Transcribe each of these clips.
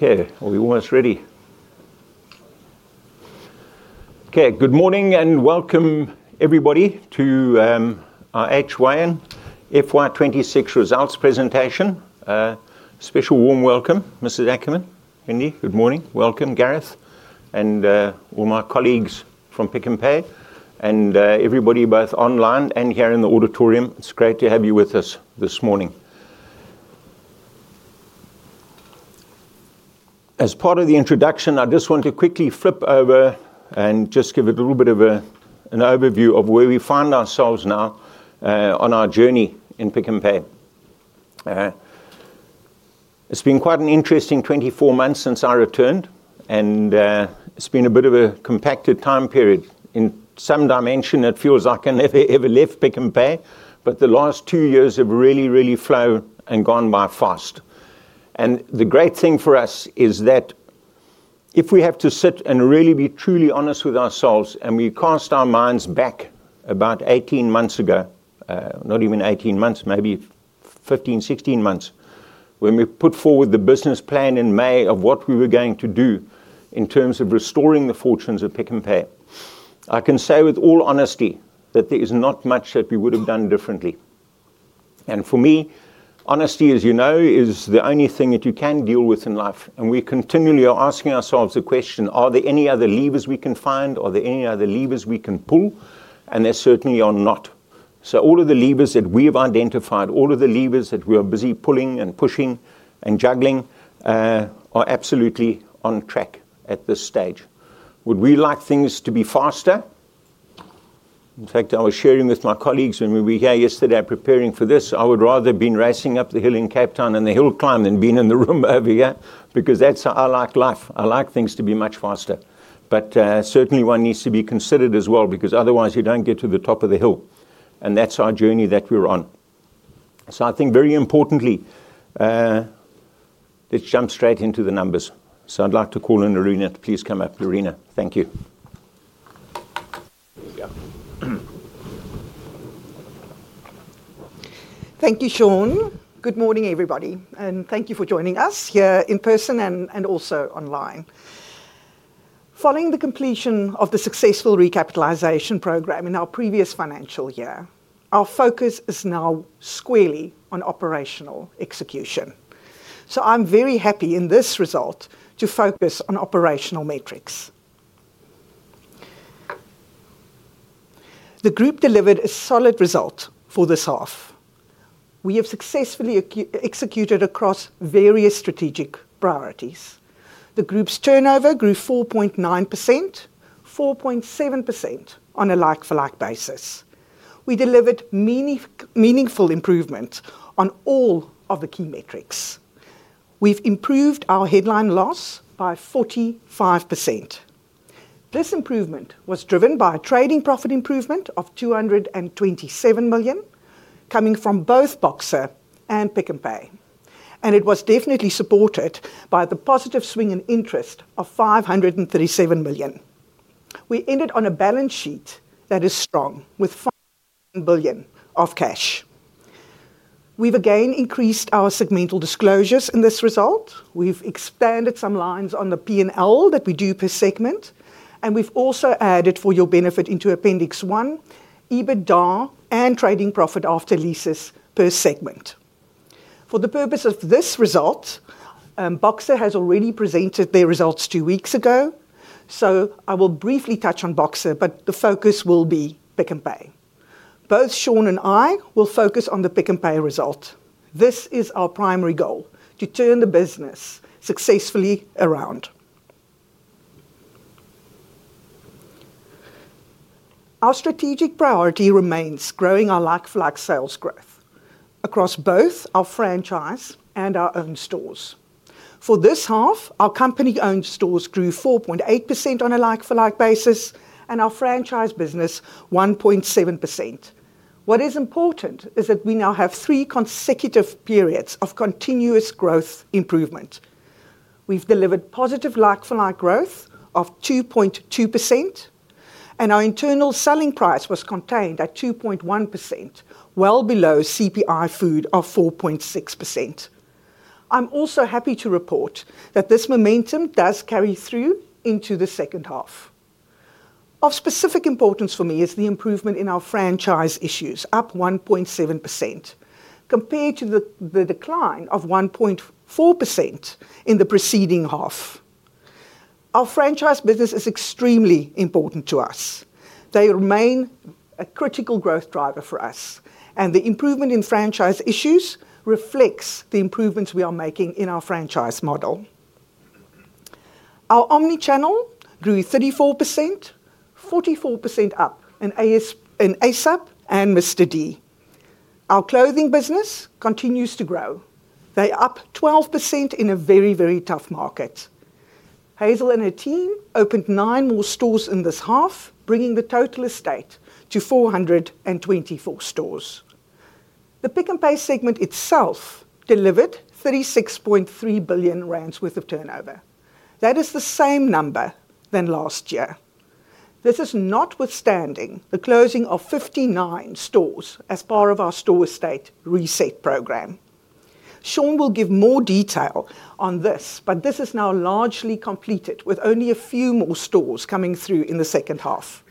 Okay, are we almost ready? Okay, good morning and welcome everybody to our HYN FY 2026 results presentation. A special warm welcome, Mrs. Ackerman, good morning, welcome, Gareth, and all my colleagues from Pick n Pay, and everybody both online and here in the auditorium. It's great to have you with us this morning. As part of the introduction, I just want to quickly flip over and just give it a little bit of an overview of where we find ourselves now on our journey in Pick n Pay. It's been quite an interesting 24 months since I returned, and it's been a bit of a compacted time period. In some dimension, it feels like I never ever left Pick n Pay, but the last two years have really, really flown and gone by fast. The great thing for us is that if we have to sit and really be truly honest with ourselves and we cast our minds back about 18 months ago, not even 18 months, maybe 15, 16 months, when we put forward the business plan in May of what we were going to do in terms of restoring the fortunes of Pick n Pay, I can say with all honesty that there is not much that we would have done differently. For me, honesty, as you know, is the only thing that you can deal with in life. We continually are asking ourselves the question, are there any other levers we can find? Are there any other levers we can pull? There certainly are not. All of the levers that we've identified, all of the levers that we are busy pulling and pushing and juggling, are absolutely on track at this stage. Would we like things to be faster? In fact, I was sharing with my colleagues when we were here yesterday preparing for this, I would rather have been racing up the hill in Cape Town and the hill climb than being in the room over here, because that's how I like life. I like things to be much faster. Certainly one needs to be considered as well, because otherwise you don't get to the top of the hill. That's our journey that we're on. I think very importantly, let's jump straight into the numbers. I'd like to call in Lerena, please come up. Lerena, thank you. Thank you, Sean. Good morning, everybody, and thank you for joining us here in person and also online. Following the completion of the successful recapitalization program in our previous financial year, our focus is now squarely on operational execution. I'm very happy in this result to focus on operational metrics. The group delivered a solid result for this half. We have successfully executed across various strategic priorities. The group's turnover grew 4.9%, 4.7% on a like-for-like basis. We delivered meaningful improvement on all of the key metrics. We've improved our headline loss by 45%. This improvement was driven by a trading profit improvement of 227 million, coming from both Boxer and Pick n Pay, and it was definitely supported by the positive swing in interest of 537 million. We ended on a balance sheet that is strong with 5 billion of cash. We've again increased our segmental disclosures in this result. We've expanded some lines on the P&L that we do per segment, and we've also added for your benefit into Appendix 1, EBITDA and trading profit after leases per segment. For the purpose of this result, Boxer has already presented their results two weeks ago, so I will briefly touch on Boxer, but the focus will be Pick n Pay. Both Sean and I will focus on the Pick n Pay result. This is our primary goal, to turn the business successfully around. Our strategic priority remains growing our like-for-like sales growth across both our franchise and our own stores. For this half, our company-owned stores grew 4.8% on a like-for-like basis, and our franchise business 1.7%. What is important is that we now have three consecutive periods of continuous growth improvement. We've delivered positive like-for-like growth of 2.2%, and our internal selling price was contained at 2.1%, well below CPI food of 4.6%. I'm also happy to report that this momentum does carry through into the second half. Of specific importance for me is the improvement in our franchise issues, up 1.7%, compared to the decline of 1.4% in the preceding half. Our franchise business is extremely important to us. They remain a critical growth driver for us, and the improvement in franchise issues reflects the improvements we are making in our franchise model. Our omnichannel grew 34%, 44% up in Pick n Pay ASAP! and Mr D. Our clothing business continues to grow. They're up 12% in a very, very tough market. Hazel and her team opened nine more stores in this half, bringing the total estate to 424 stores. The Pick n Pay segment itself delivered 36.3 billion rand worth of turnover. That is the same number as last year. This is notwithstanding the closing of 59 stores as part of our store estate reset program. Sean will give more detail on this, but this is now largely completed with only a few more stores coming through in the second half.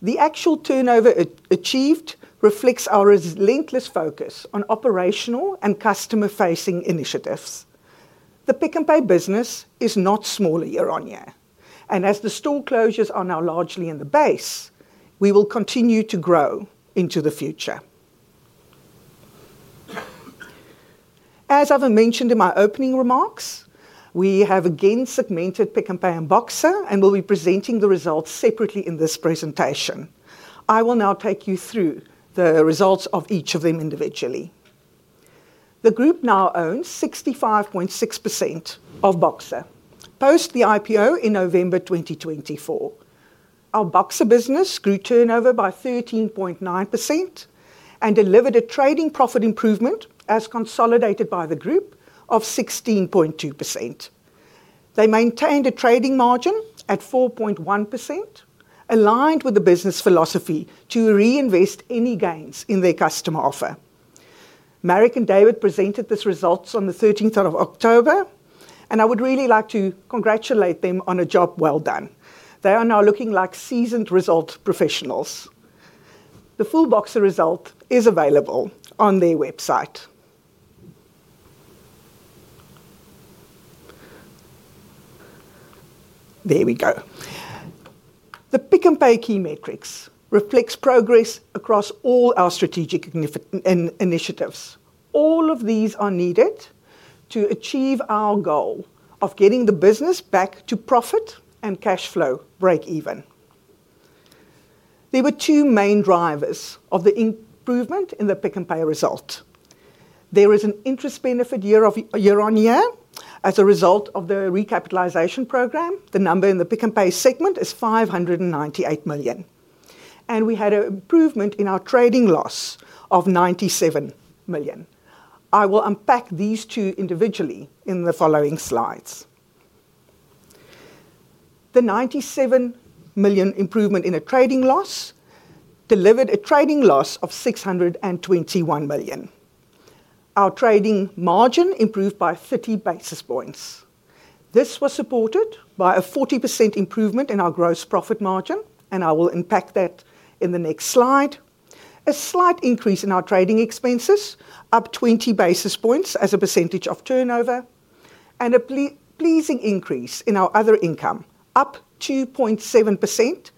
The actual turnover achieved reflects our relentless focus on operational and customer-facing initiatives. The Pick n Pay business is not smaller year-on-year, and as the store closures are now largely in the base, we will continue to grow into the future. As I've mentioned in my opening remarks, we have again segmented Pick n Pay and Boxer and will be presenting the results separately in this presentation. I will now take you through the results of each of them individually. The group now owns 65.6% of Boxer, post the IPO in November 2024. Our Boxer business grew turnover by 13.9% and delivered a trading profit improvement as consolidated by the group of 16.2%. They maintained a trading margin at 4.1%, aligned with the business philosophy to reinvest any gains in their customer offer. Marek and David presented these results on the 13th of October, and I would really like to congratulate them on a job well done. They are now looking like seasoned result professionals. The full Boxer result is available on their website. There we go. The Pick n Pay key metrics reflect progress across all our strategic initiatives. All of these are needed to achieve our goal of getting the business back to profit and cash flow break-even. There were two main drivers of the improvement in the Pick n Pay result. There is an interest benefit year-on-year. As a result of the recapitalization program, the number in the Pick n Pay segment is 598 million, and we had an improvement in our trading loss of 97 million. I will unpack these two individually in the following slides. The 97 million improvement in a trading loss delivered a trading loss of 621 million. Our trading margin improved by 30 basis points. This was supported by a 40% improvement in our gross profit margin, and I will unpack that in the next slide. A slight increase in our trading expenses, up 20 basis points as a percentage of turnover, and a pleasing increase in our other income, up 2.7%,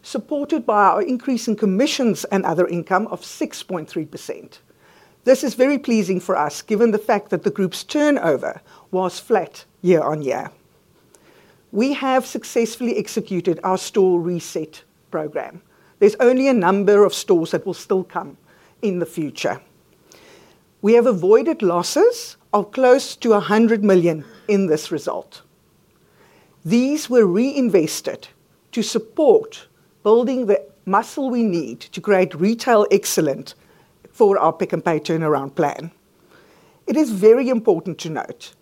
supported by our increase in commissions and other income of 6.3%. This is very pleasing for us given the fact that the group's turnover was flat year-on-year. We have successfully executed our store reset program. There's only a number of stores that will still come in the future. We have avoided losses of close to 100 million in this result. These were reinvested to support building the muscle we need to create retail excellence for our Pick n Pay turnaround plan. It is very important to note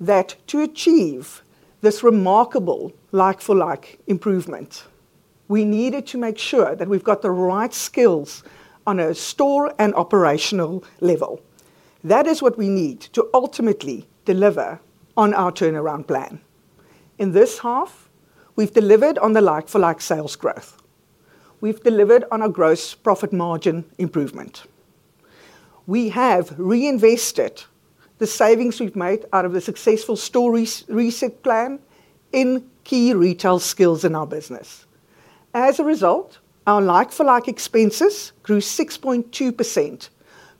that to achieve this remarkable like-for-like improvement, we needed to make sure that we've got the right skills on a store and operational level. That is what we need to ultimately deliver on our turnaround plan. In this half, we've delivered on the like-for-like sales growth. We've delivered on our gross profit margin improvement. We have reinvested the savings we've made out of the successful store reset plan in key retail skills in our business. As a result, our like-for-like expenses grew 6.2%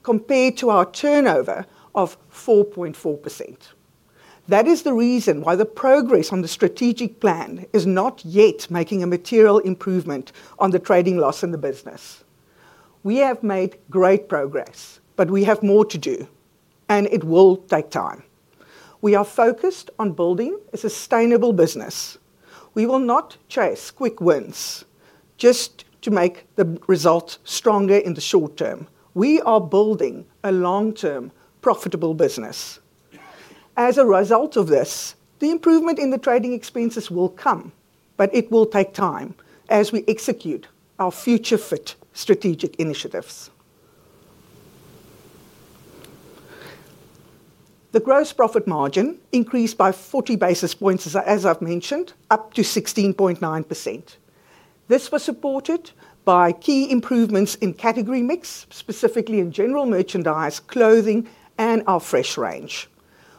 compared to our turnover of 4.4%. That is the reason why the progress on the strategic plan is not yet making a material improvement on the trading loss in the business. We have made great progress, but we have more to do, and it will take time. We are focused on building a sustainable business. We will not chase quick wins just to make the results stronger in the short-term. We are building a long-term profitable business. As a result of this, the improvement in the trading expenses will come, but it will take time as we execute our future-fit strategic initiatives. The gross profit margin increased by 40 basis points, as I've mentioned, up to 16.9%. This was supported by key improvements in category mix, specifically in General Merchandise, Clothing, and our Fresh Range.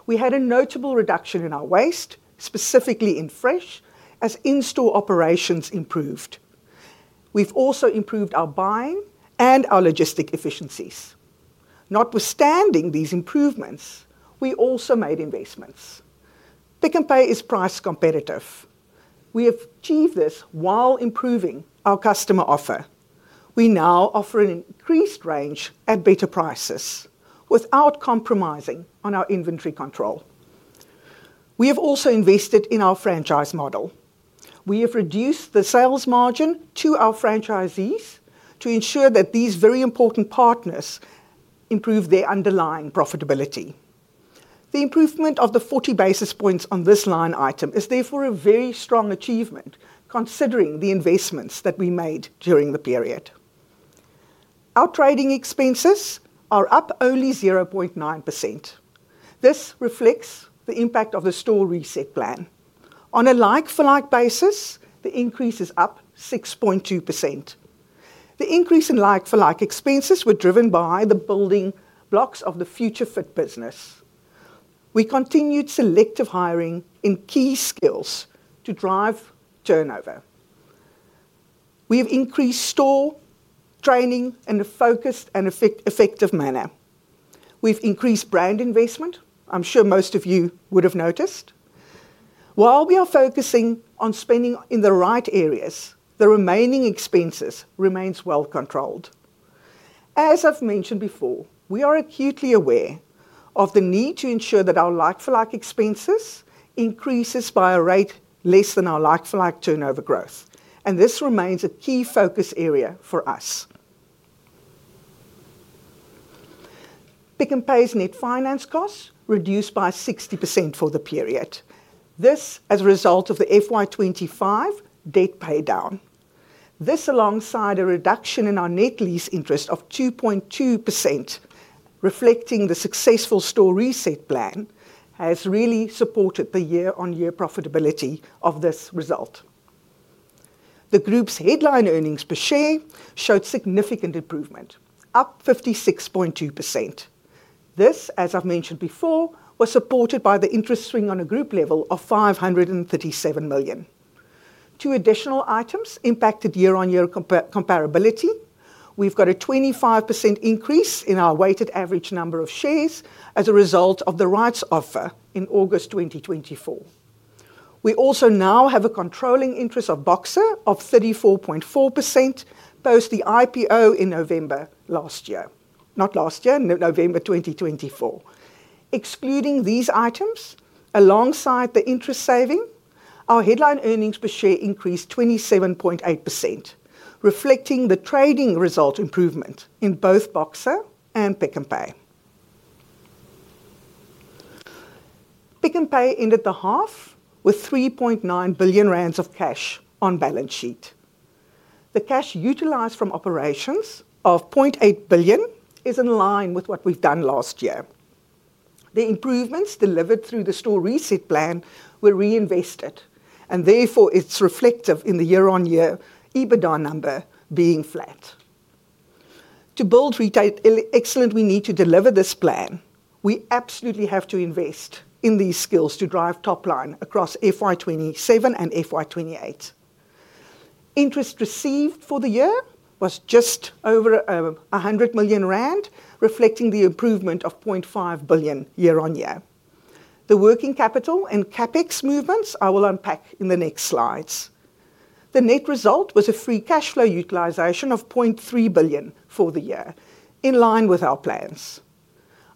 We had a notable reduction in our waste, specifically in fresh, as in-store operations improved. We've also improved our buying and our logistic efficiencies. Notwithstanding these improvements, we also made investments. Pick n Pay is price competitive. We have achieved this while improving our customer offer. We now offer an increased range at better prices without compromising on our inventory control. We have also invested in our franchise model. We have reduced the sales margin to our franchisees to ensure that these very important partners improve their underlying profitability. The improvement of the 40 basis points on this line item is therefore a very strong achievement, considering the investments that we made during the period. Our trading expenses are up only 0.9%. This reflects the impact of the store reset plan. On a like-for-like basis, the increase is up 6.2%. The increase in like-for-like expenses was driven by the building blocks of the future-fit business. We continued selective hiring in key skills to drive turnover. We have increased store training in a focused and effective manner. We've increased brand investment. I'm sure most of you would have noticed. While we are focusing on spending in the right areas, the remaining expenses remain well controlled. As I've mentioned before, we are acutely aware of the need to ensure that our like-for-like expenses increase by a rate less than our like-for-like turnover growth, and this remains a key focus area for us. Pick n Pay's net finance cost reduced by 60% for the period. This is a result of the FY 2025 debt paydown. This, alongside a reduction in our net lease interest of 2.2%, reflecting the successful store reset plan, has really supported the year-on-year profitability of this result. The group's headline earnings per share showed significant improvement, up 56.2%. This, as I've mentioned before, was supported by the interest swing on a group level of 537 million. Two additional items impacted year-on-year comparability. We've got a 25% increase in our weighted average number of shares as a result of the rights offer in August 2024. We also now have a controlling interest of Boxer of 34.4%, post the IPO in November 2024. Excluding these items, alongside the interest saving, our headline earnings per share increased 27.8%, reflecting the trading result improvement in both Boxer and Pick n Pay. Pick n Pay ended the half with 3.9 billion rand of cash on balance sheet. The cash utilized from operations of 0.8 billion is in line with what we've done last year. The improvements delivered through the store reset plan were reinvested, and therefore it's reflective in the year-on-year EBITDA number being flat. To build retail excellence, we need to deliver this plan. We absolutely have to invest in these skills to drive top line across FY 2027 and FY 2028. Interest received for the year was just over 100 million rand, reflecting the improvement of 0.5 billion year-on-year. The working capital and CapEx movements I will unpack in the next slides. The net result was a free cash flow utilization of 0.3 billion for the year, in line with our plans.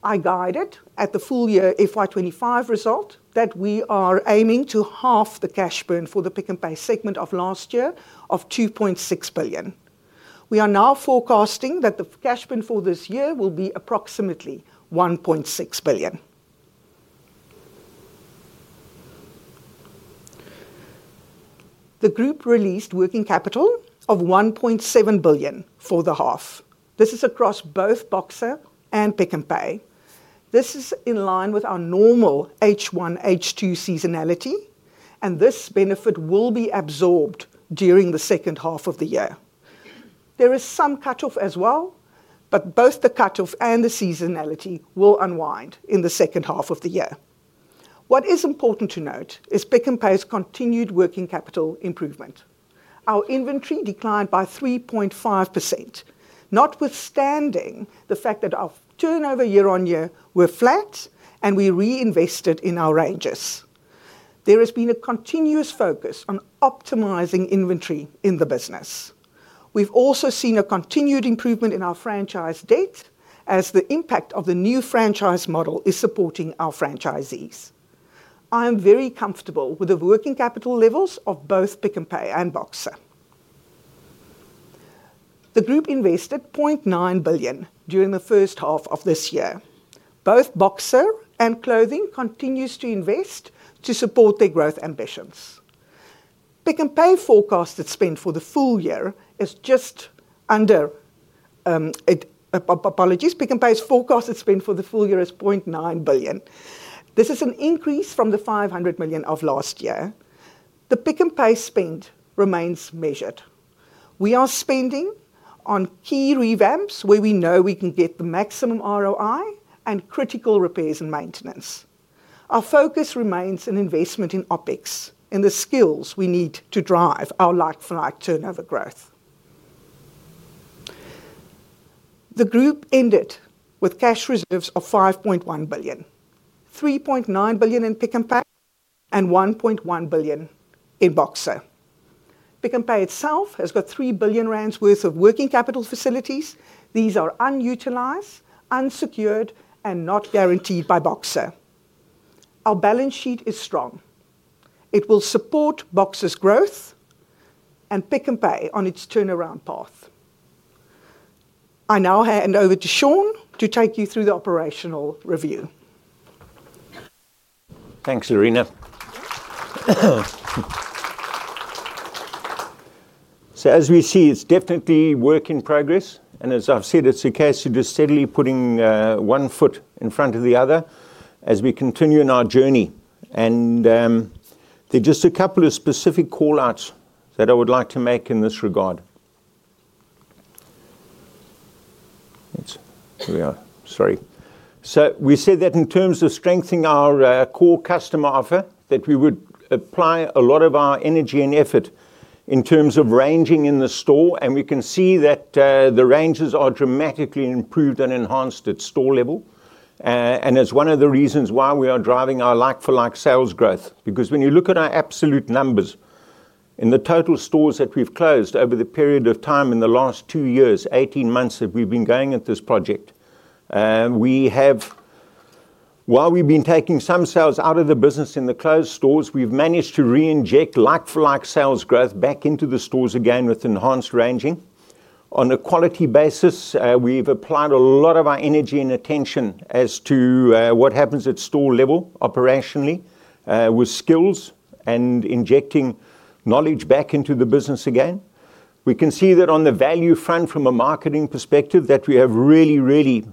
I guided at the full year FY 2025 result that we are aiming to halve the cash burn for the Pick n Pay segment of last year of 2.6 billion. We are now forecasting that the cash burn for this year will be approximately 1.6 billion. The group released working capital of 1.7 billion for the half. This is across both Boxer and Pick n Pay. This is in line with our normal H1, H2 seasonality, and this benefit will be absorbed during the second half of the year. There is some cutoff as well, but both the cutoff and the seasonality will unwind in the second half of the year. What is important to note is Pick n Pay's continued working capital improvement. Our inventory declined by 3.5%, notwithstanding the fact that our turnover year-on-year was flat and we reinvested in our ranges. There has been a continuous focus on optimizing inventory in the business. We've also seen a continued improvement in our franchise debt as the impact of the new franchise model is supporting our franchisees. I am very comfortable with the working capital levels of both Pick n Pay and Boxer. The group invested 0.9 billion during the first half of this year. Both Boxer and Clothing continue to invest to support their growth ambitions. Pick n Pay's forecasted spend for the full year is 0.9 billion. This is an increase from the 500 million of last year. The Pick n Pay spend remains measured. We are spending on key revamps where we know we can get the maximum ROI and critical repairs and maintenance. Our focus remains in investment in OpEx, in the skills we need to drive our like-for-like turnover growth. The group ended with cash reserves of 5.1 billion, 3.9 billion in Pick n Pay, and 1.1 billion in Boxer. Pick n Pay itself has got 3 billion rand worth of working capital facilities. These are unutilized, unsecured, and not guaranteed by Boxer. Our balance sheet is strong. It will support Boxer's growth and Pick n Pay on its turnaround path. I now hand over to Sean to take you through the operational review. Thanks, Lerena. As we see, it's definitely work in progress, and as I've said, it's a case of just steadily putting one foot in front of the other as we continue in our journey. There are just a couple of specific call-outs that I would like to make in this regard. We said that in terms of strengthening our core customer offer, we would apply a lot of our energy and effort in terms of ranging in the store, and we can see that the ranges are dramatically improved and enhanced at store level. It's one of the reasons why we are driving our like-for-like sales growth, because when you look at our absolute numbers in the total stores that we've closed over the period of time in the last two years, 18 months that we've been going at this project, we have, while we've been taking some sales out of the business in the closed stores, managed to re-inject like-for-like sales growth back into the stores again with enhanced ranging. On a quality basis, we've applied a lot of our energy and attention as to what happens at store level operationally with skills and injecting knowledge back into the business again. We can see that on the value front, from a marketing perspective, we have really, really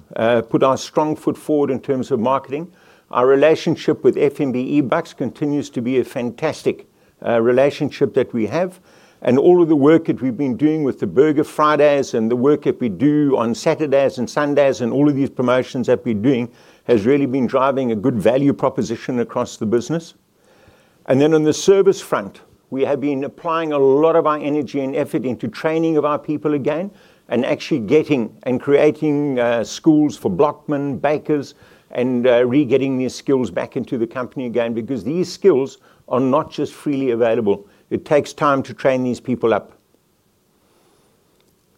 put our strong foot forward in terms of marketing. Our relationship with FNB eBucks continues to be a fantastic relationship that we have, and all of the work that we've been doing with the Burger Fridays and the work that we do on Saturdays and Sundays and all of these promotions that we're doing has really been driving a good value proposition across the business. On the service front, we have been applying a lot of our energy and effort into training of our people again and actually getting and creating schools for blockmen, bakers, and re-getting these skills back into the company again, because these skills are not just freely available. It takes time to train these people up.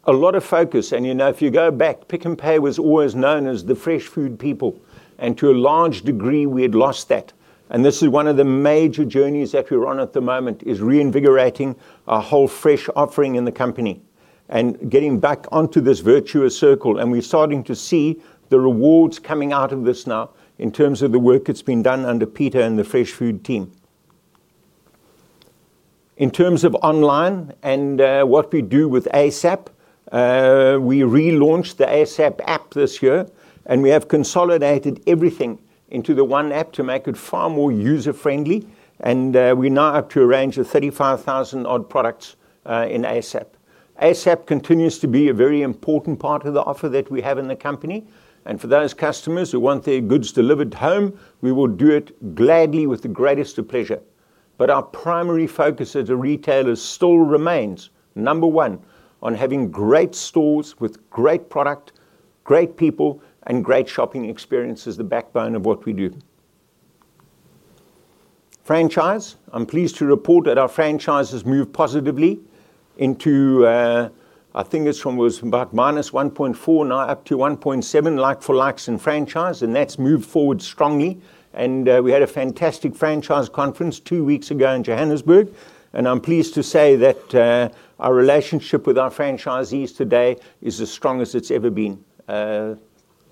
A lot of focus, and you know, if you go back, Pick n Pay was always known as the Fresh Food people, and to a large degree, we had lost that. This is one of the major journeys that we're on at the moment, reinvigorating our whole fresh offering in the company and getting back onto this virtuous circle. We're starting to see the rewards coming out of this now in terms of the work that's been done under Pieter and the Fresh Food team. In terms of online and what we do with ASAP!, we relaunched the ASAP! app this year, and we have consolidated everything into the one app to make it far more user-friendly. We now have to arrange 35,000-odd products in ASAP! ASAP! continues to be a very important part of the offer that we have in the company. For those customers who want their goods delivered home, we will do it gladly with the greatest of pleasure. Our primary focus as a retailer still remains, number one, on having great stores with great product, great people, and great shopping experience as the backbone of what we do. Franchise, I'm pleased to report that our franchise has moved positively into, I think it's from about -1.4%, now up to 1.7% like-for-likes in franchise, and that's moved forward strongly. We had a fantastic franchise conference two weeks ago in Johannesburg, and I'm pleased to say that our relationship with our franchisees today is as strong as it's ever been.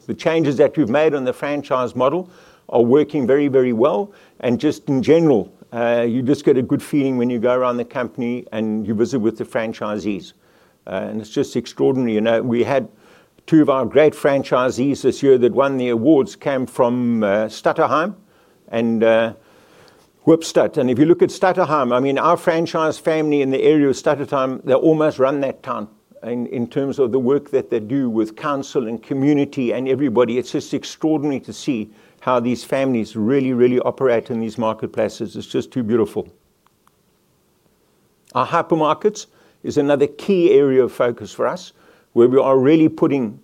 The changes that we've made on the franchise model are working very, very well. In general, you just get a good feeling when you go around the company and you visit with the franchisees. It's just extraordinary. We had two of our great franchisees this year that won the awards, came from STUTTERHEIM and [Würpstadt.] If you look at STUTTERHEIM, our franchise family in the area of STUTTERHEIM, they almost run that town in terms of the work that they do with council and community and everybody. It's just extraordinary to see how these families really, really operate in these marketplaces. It's just too beautiful. Our hypermarkets is another key area of focus for us, where we are really putting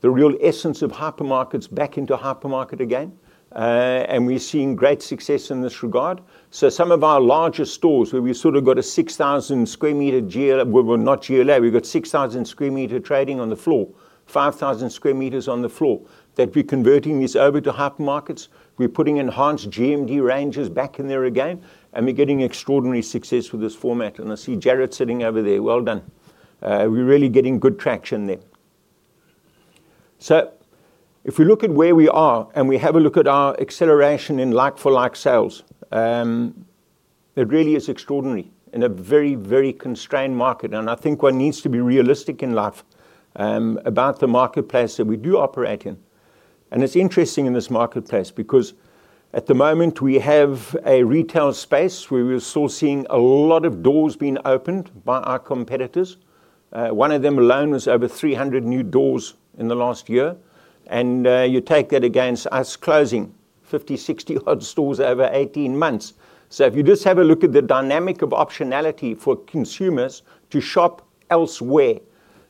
the real essence of hypermarkets back into hypermarket again. We're seeing great success in this regard. Some of our larger stores, where we sort of got a 6,000 sq m GL, well, not GLA, we've got 6,000 sq m trading on the floor, 5,000 sq m on the floor that we're converting this over to hypermarkets. We're putting enhanced GMD ranges back in there again, and we're getting extraordinary success with this format. I see Gareth sitting over there. Well done. We're really getting good traction there. If we look at where we are and we have a look at our acceleration in like-for-like sales, it really is extraordinary in a very, very constrained market. I think one needs to be realistic in life about the marketplace that we do operate in. It's interesting in this marketplace because at the moment we have a retail space where we're still seeing a lot of doors being opened by our competitors. One of them alone was over 300 new doors in the last year. You take that against us closing 50, 60-odd stores over 18 months. If you just have a look at the dynamic of optionality for consumers to shop elsewhere,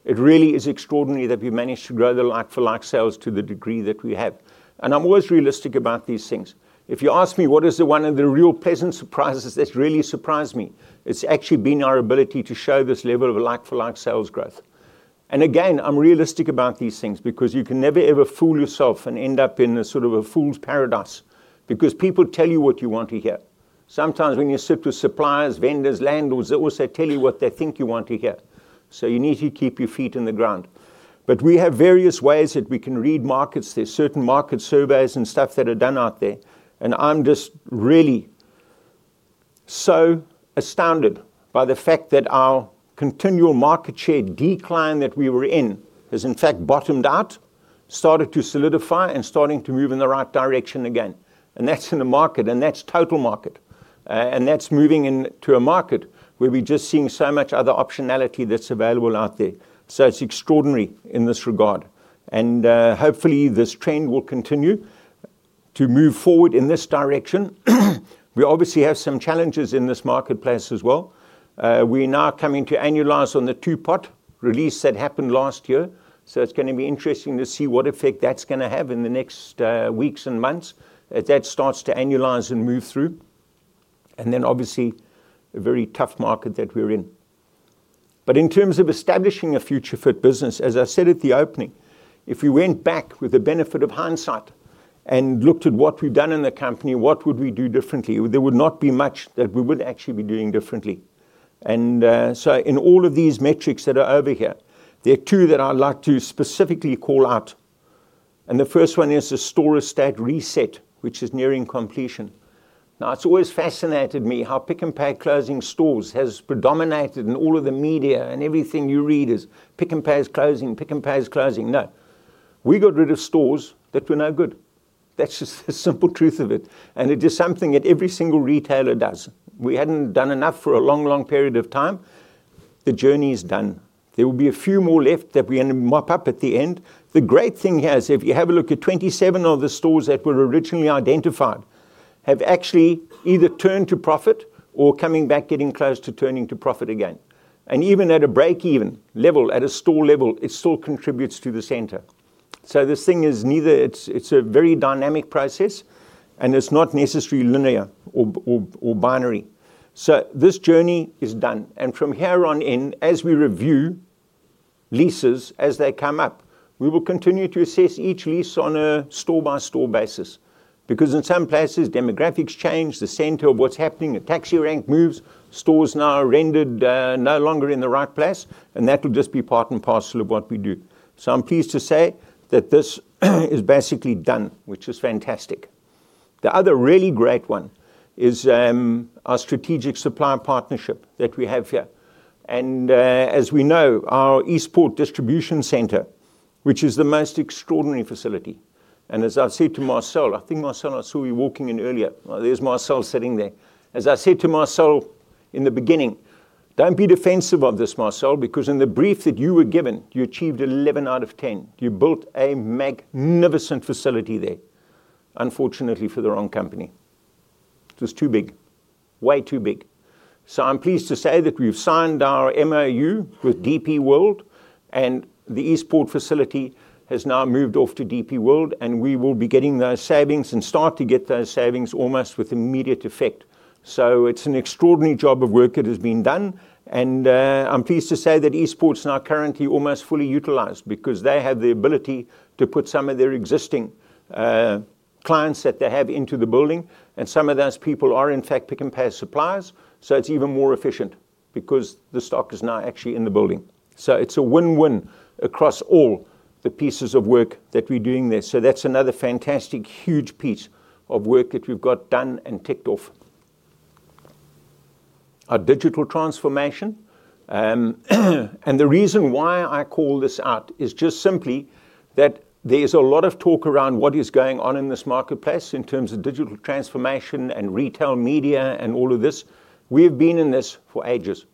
it really is extraordinary that we've managed to grow the like-for-like sales to the degree that we have. I'm always realistic about these things. If you ask me, what is one of the real pleasant surprises that really surprised me, it's actually been our ability to show this level of like-for-like sales growth. I'm realistic about these things because you can never, ever fool yourself and end up in a sort of a fool's paradise because people tell you what you want to hear. Sometimes when you sit with suppliers, vendors, landlords, they also tell you what they think you want to hear. You need to keep your feet on the ground. We have various ways that we can read markets. There are certain market surveys and stuff that are done out there. I'm just really so astounded by the fact that our continual market share decline that we were in has in fact bottomed out, started to solidify, and is starting to move in the right direction again. That's in the market, and that's total market. That's moving into a market where we're just seeing so much other optionality that's available out there. It's extraordinary in this regard. Hopefully, this trend will continue to move forward in this direction. We obviously have some challenges in this marketplace as well. We're now coming to annualize on the two-pot release that happened last year. It's going to be interesting to see what effect that's going to have in the next weeks and months as that starts to annualize and move through. Obviously, a very tough market that we're in. In terms of establishing a future-fit business, as I said at the opening, if we went back with the benefit of hindsight and looked at what we've done in the company, what would we do differently? There would not be much that we would actually be doing differently. In all of these metrics that are over here, there are two that I'd like to specifically call out. The first one is the store estate reset, which is nearing completion. Now, it's always fascinated me how Pick n Pay closing stores has predominated in all of the media, and everything you read is Pick n Pay is closing, Pick n Pay is closing. No, we got rid of stores that were no good. That's just the simple truth of it. It is something that every single retailer does. We hadn't done enough for a long, long period of time. The journey is done. There will be a few more left that we're going to mop up at the end. The great thing here is if you have a look at 27 of the stores that were originally identified, they have actually either turned to profit or are coming back, getting close to turning to profit again. Even at a break-even level, at a store level, it still contributes to the center. This thing is neither. It's a very dynamic process, and it's not necessarily linear or binary. This journey is done. From here on in, as we review leases as they come up, we will continue to assess each lease on a store-by-store basis. In some places, demographics change, the center of what's happening, a taxi rank moves, stores are now rendered no longer in the right place, and that'll just be part and parcel of what we do. I'm pleased to say that this is basically done, which is fantastic. The other really great one is our strategic supplier partnership that we have here. As we know, our eSport distribution center, which is the most extraordinary facility. As I said to Marcel, I think Marcel, I saw you walking in earlier. There's Marcel sitting there. As I said to Marcel in the beginning, don't be defensive of this, Marcel, because in the brief that you were given, you achieved 11 out of 10. You built a magnificent facility there. Unfortunately, for the wrong company, it was too big, way too big. I'm pleased to say that we've signed our MOU with DP World, and the eSport facility has now moved off to DP World, and we will be getting those savings and start to get those savings almost with immediate effect. It's an extraordinary job of work that has been done, and I'm pleased to say that eSport is now currently almost fully utilized because they have the ability to put some of their existing clients that they have into the building, and some of those people are in fact Pick n Pay suppliers. It's even more efficient because the stock is now actually in the building. It's a win-win across all the pieces of work that we're doing there. That's another fantastic, huge piece of work that we've got done and ticked off. Our digital transformation, and the reason why I call this out is just simply that there's a lot of talk around what is going on in this marketplace in terms of digital transformation and retail media and all of this. We've been in this for ages.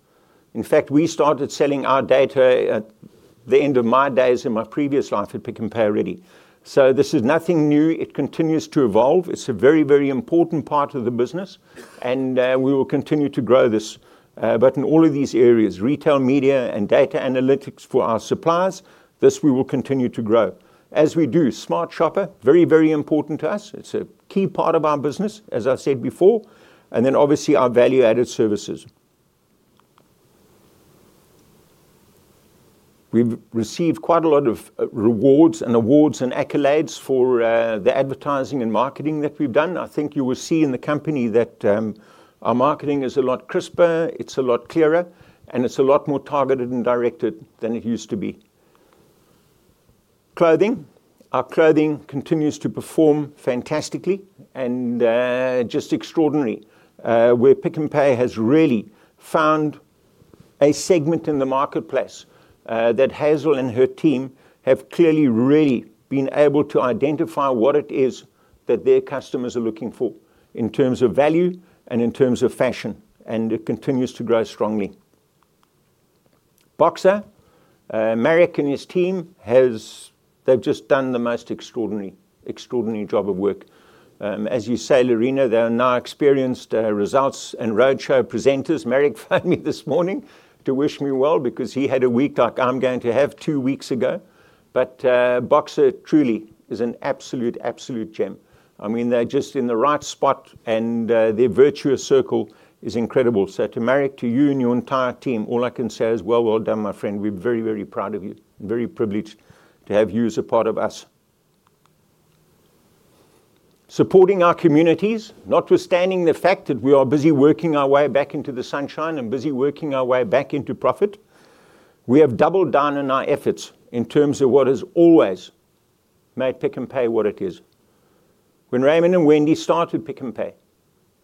In fact, we started selling our data at the end of my days in my previous life at Pick n Pay already. This is nothing new. It continues to evolve. It's a very, very important part of the business, and we will continue to grow this. In all of these areas, retail media and data analytics for our suppliers, this we will continue to grow. As we do, Smart Shopper, very, very important to us. It's a key part of our business, as I said before. Obviously, our value-added services. We've received quite a lot of rewards and awards and accolades for the advertising and marketing that we've done. I think you will see in the company that our marketing is a lot crisper, it's a lot clearer, and it's a lot more targeted and directed than it used to be. Clothing, our clothing continues to perform fantastically and just extraordinary, where Pick n Pay has really found a segment in the marketplace that Hazel and her team have clearly really been able to identify what it is that their customers are looking for in terms of value and in terms of fashion, and it continues to grow strongly. Boxer, Marek and his team have, they've just done the most extraordinary, extraordinary job of work. As you say, Lerena, they're now experienced results and roadshow presenters. Marek phoned me this morning to wish me well because he had a week like I'm going to have two weeks ago. Boxer truly is an absolute, absolute gem. They're just in the right spot and their virtuous circle is incredible. To Marek, to you and your entire team, all I can say is well, well done, my friend. We're very, very proud of you and very privileged to have you as a part of us. Supporting our communities, notwithstanding the fact that we are busy working our way back into the sunshine and busy working our way back into profit, we have doubled down on our efforts in terms of what has always made Pick n Pay what it is. When Raymond and Wendy started Pick n Pay,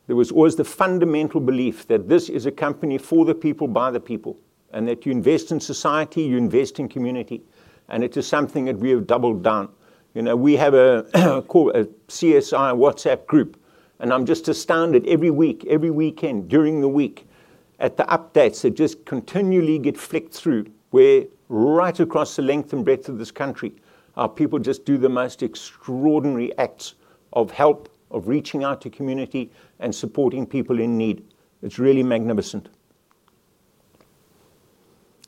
there was always the fundamental belief that this is a company for the people, by the people, and that you invest in society, you invest in community, and it is something that we have doubled down. You know, we have a CSI WhatsApp group, and I'm just astounded every week, every weekend during the week at the updates that just continually get flicked through, where right across the length and breadth of this country, our people just do the most extraordinary acts of help, of reaching out to community and supporting people in need. It's really magnificent.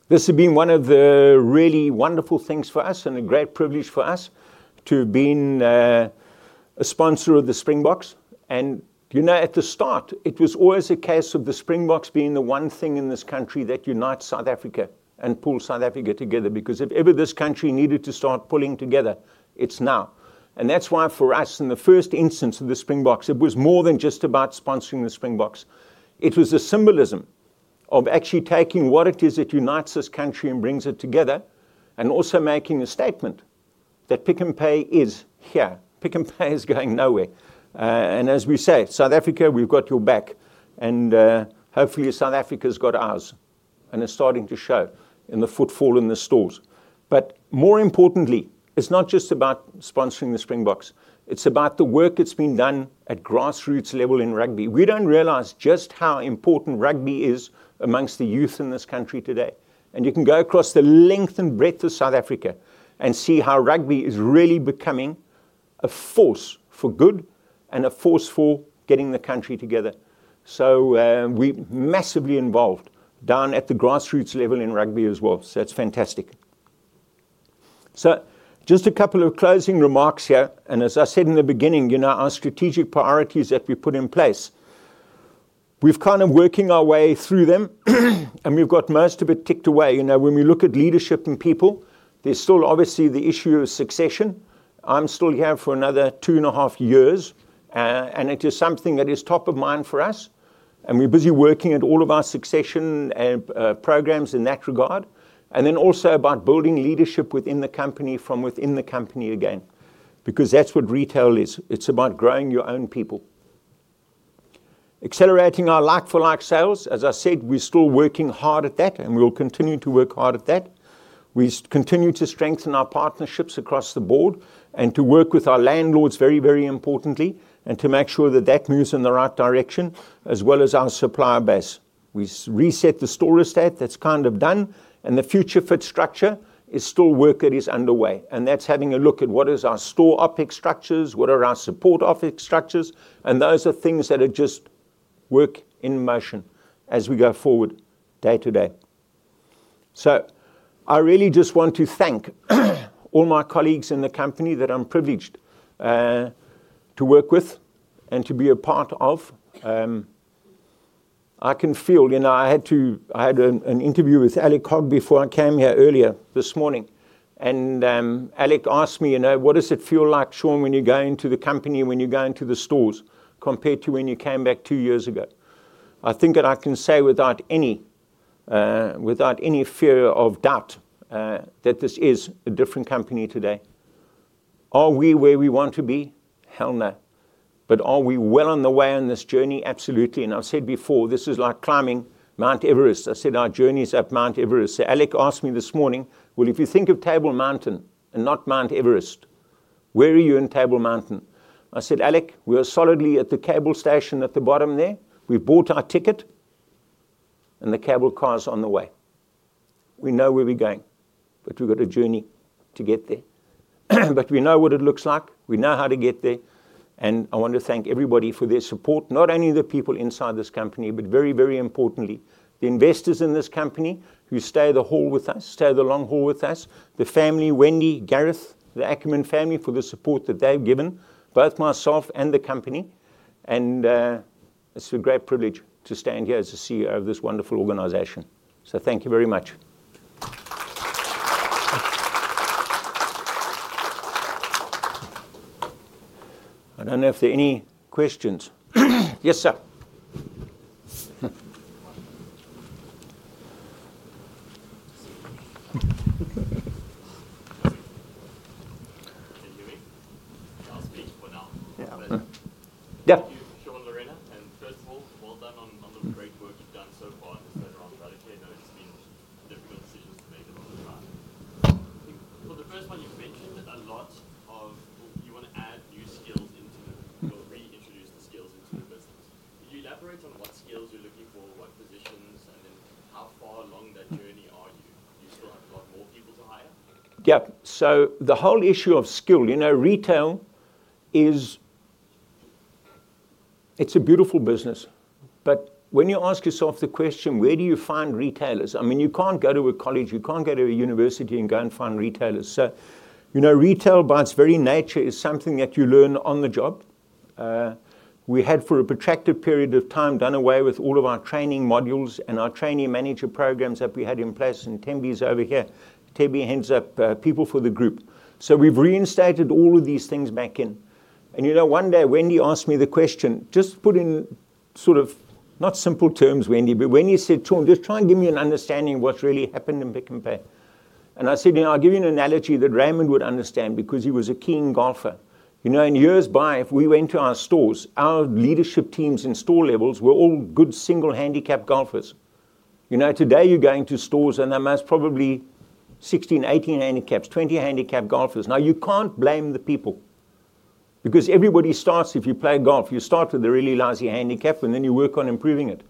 This has been one of the really wonderful things for us and a great privilege for us to have been a sponsor of the Springbok. You know, at the start, it was always a case of the Springbok being the one thing in this country that unites South Africa and pulls South Africa together, because if ever this country needed to start pulling together, it's now. That's why for us, in the first instance of the Springbok, it was more than just about sponsoring the Springbok. It was a symbolism of actually taking what it is that unites this country and brings it together and also making a statement that Pick n Pay is here. Pick n Pay is going nowhere. As we say, South Africa, we've got your back, and hopefully South Africa's got ours and is starting to show in the footfall in the stores. More importantly, it's not just about sponsoring the Springbok. It's about the work that's been done at grassroots level in rugby. We don't realize just how important rugby is amongst the youth in this country today. You can go across the length and breadth of South Africa and see how rugby is really becoming a force for good and a force for getting the country together. We're massively involved down at the grassroots level in rugby as well. It's fantastic. Just a couple of closing remarks here. As I said in the beginning, our strategic priorities that we put in place, we've kind of been working our way through them, and we've got most of it ticked away. When we look at leadership and people, there's still obviously the issue of succession. I'm still here for another two and a half years, and it is something that is top of mind for us. We're busy working at all of our succession programs in that regard. Also about building leadership within the company from within the company again, because that's what retail is. It's about growing your own people. Accelerating our like-for-like sales, as I said, we're still working hard at that, and we'll continue to work hard at that. We continue to strengthen our partnerships across the Board and to work with our landlords very, very importantly, and to make sure that that moves in the right direction, as well as our supplier base. We reset the store estate. That's kind of done. The future-fit structure is still work that is underway. That's having a look at what are our store OpEx structures, what are our support OpEx structures, and those are things that are just work in motion as we go forward day-to-day. I really just want to thank all my colleagues in the company that I'm privileged to work with and to be a part of. I can feel, you know, I had an interview with Alec Hogg before I came here earlier this morning. Alec asked me, you know, what does it feel like, Sean, when you're going to the company, when you're going to the stores, compared to when you came back two years ago? I think that I can say without any fear of doubt that this is a different company today. Are we where we want to be? Hell no. Are we well on the way on this journey? Absolutely. I've said before, this is like climbing Mount Everest. I said our journey is up Mount Everest. Alec asked me this morning, if you think of Table Mountain and not Mount Everest, where are you in Table Mountain? I said, Alec, we're solidly at the cable station at the bottom there. We've bought our ticket, and the cable car's on the way. We know where we're going, but we've got a journey to get there. We know what it looks like. We know how to get there. I want to thank everybody for their support, not only the people inside this company, but very, very importantly, the investors in this company who stay the hall with us, stay the long haul with us, the family, Wendy, Gareth, the Ackerman family, for the support that they've given, both myself and the company. It's a great privilege to stand here as CEO of this wonderful organization. Thank you very much. I don't know if there are any questions. Yes, sir. Can you hear me? I'll speak for now. Yeah. Thank you, Sean, Lerena. First of all, well done on the great work you've done so far in this later on strategy. It's been difficult decisions to make along the path. I think for the first one, you've mentioned a lot of you want to add new skills into the, or reintroduce the skills into the business. Could you elaborate on what skills you're looking for, what positions, and then how far along that journey are you? Do you still have a lot more people to hire? Yeah. The whole issue of skill, you know, retail is, it's a beautiful business. When you ask yourself the question, where do you find retailers? I mean, you can't go to a college, you can't go to a university and go and find retailers. Retail by its very nature is something that you learn on the job. We had, for a protracted period of time, done away with all of our training modules and our trainee manager programs that we had in place. Tembi's over here. Tembi heads up People for the group. We've reinstated all of these things back in. One day Wendy asked me the question, just put in sort of not simple terms, Wendy, but Wendy said, Sean, just try and give me an understanding of what's really happened in Pick n Pay. I said, I'll give you an analogy that Raymond would understand because he was a keen golfer. In years by, if we went to our stores, our leadership teams in store levels were all good single handicap golfers. Today you go into stores and there are most probably 16, 18 handicaps, 20 handicap golfers. You can't blame the people because everybody starts, if you play golf, you start with a really lousy handicap and then you work on improving it.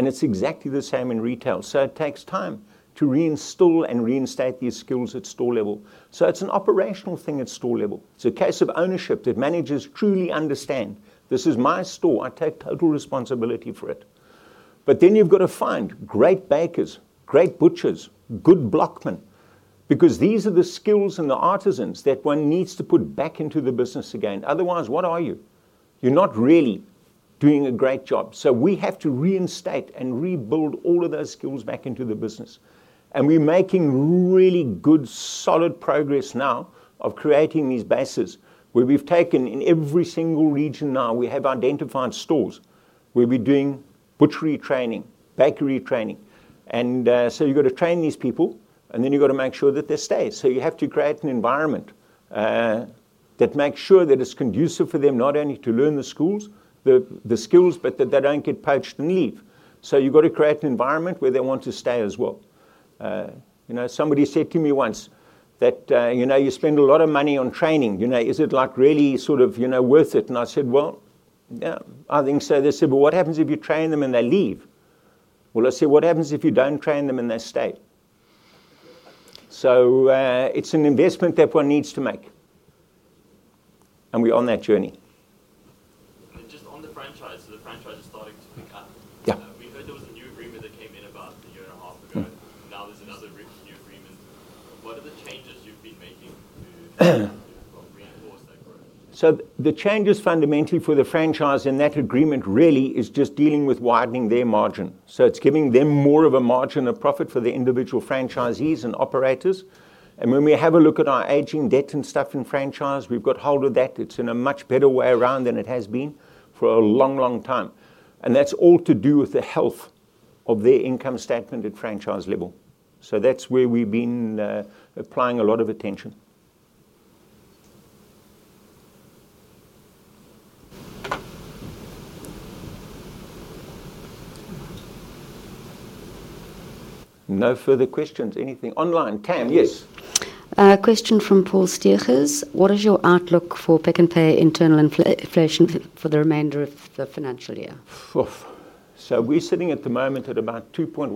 It's exactly the same in retail. It takes time to reinstall and reinstate these skills at store level. It's an operational thing at store level. It's a case of ownership that managers truly understand. This is my store. I take total responsibility for it. You've got to find great bakers, great butchers, good blockmen, because these are the skills and the artisans that one needs to put back into the business again. Otherwise, what are you? You're not really doing a great job. We have to reinstate and rebuild all of those skills back into the business. We're making really good, solid progress now of creating these bases where we've taken in every single region now, we have identified stores where we're doing butchery training, bakery training. You've got to train these people and then you've got to make sure that they stay. You have to create an environment that makes sure that it's conducive for them not only to learn the skills, but that they don't get poached and leave. You've got to create an environment where they want to stay as well. Somebody said to me once that, you know, you spend a lot of money on training. You know, is it really sort of, you know, worth it? I said, yeah, I think so. They said, what happens if you train them and they leave? I said, what happens if you don't train them and they stay? It's an investment that one needs to make, and we're on that journey. Just on the franchise, the franchise is starting to pick up. Yeah. We heard there was a new agreement that came in about a year and a half ago. Now there's another new agreement. What are the changes you've been making to reinforce that growth? The changes fundamentally for the franchise in that agreement really are just dealing with widening their margin. It's giving them more of a margin of profit for the individual franchisees and operators. When we have a look at our aging debt and stuff in franchise, we've got hold of that. It's in a much better way around than it has been for a long, long time. That's all to do with the health of their income statement at franchise level. That's where we've been applying a lot of attention. No further questions. Anything online? Tam, yes. A question from Paul Stehers. What is your outlook for Pick n Pay internal inflation for the remainder of the financial year? We're sitting at the moment at about 2.1%.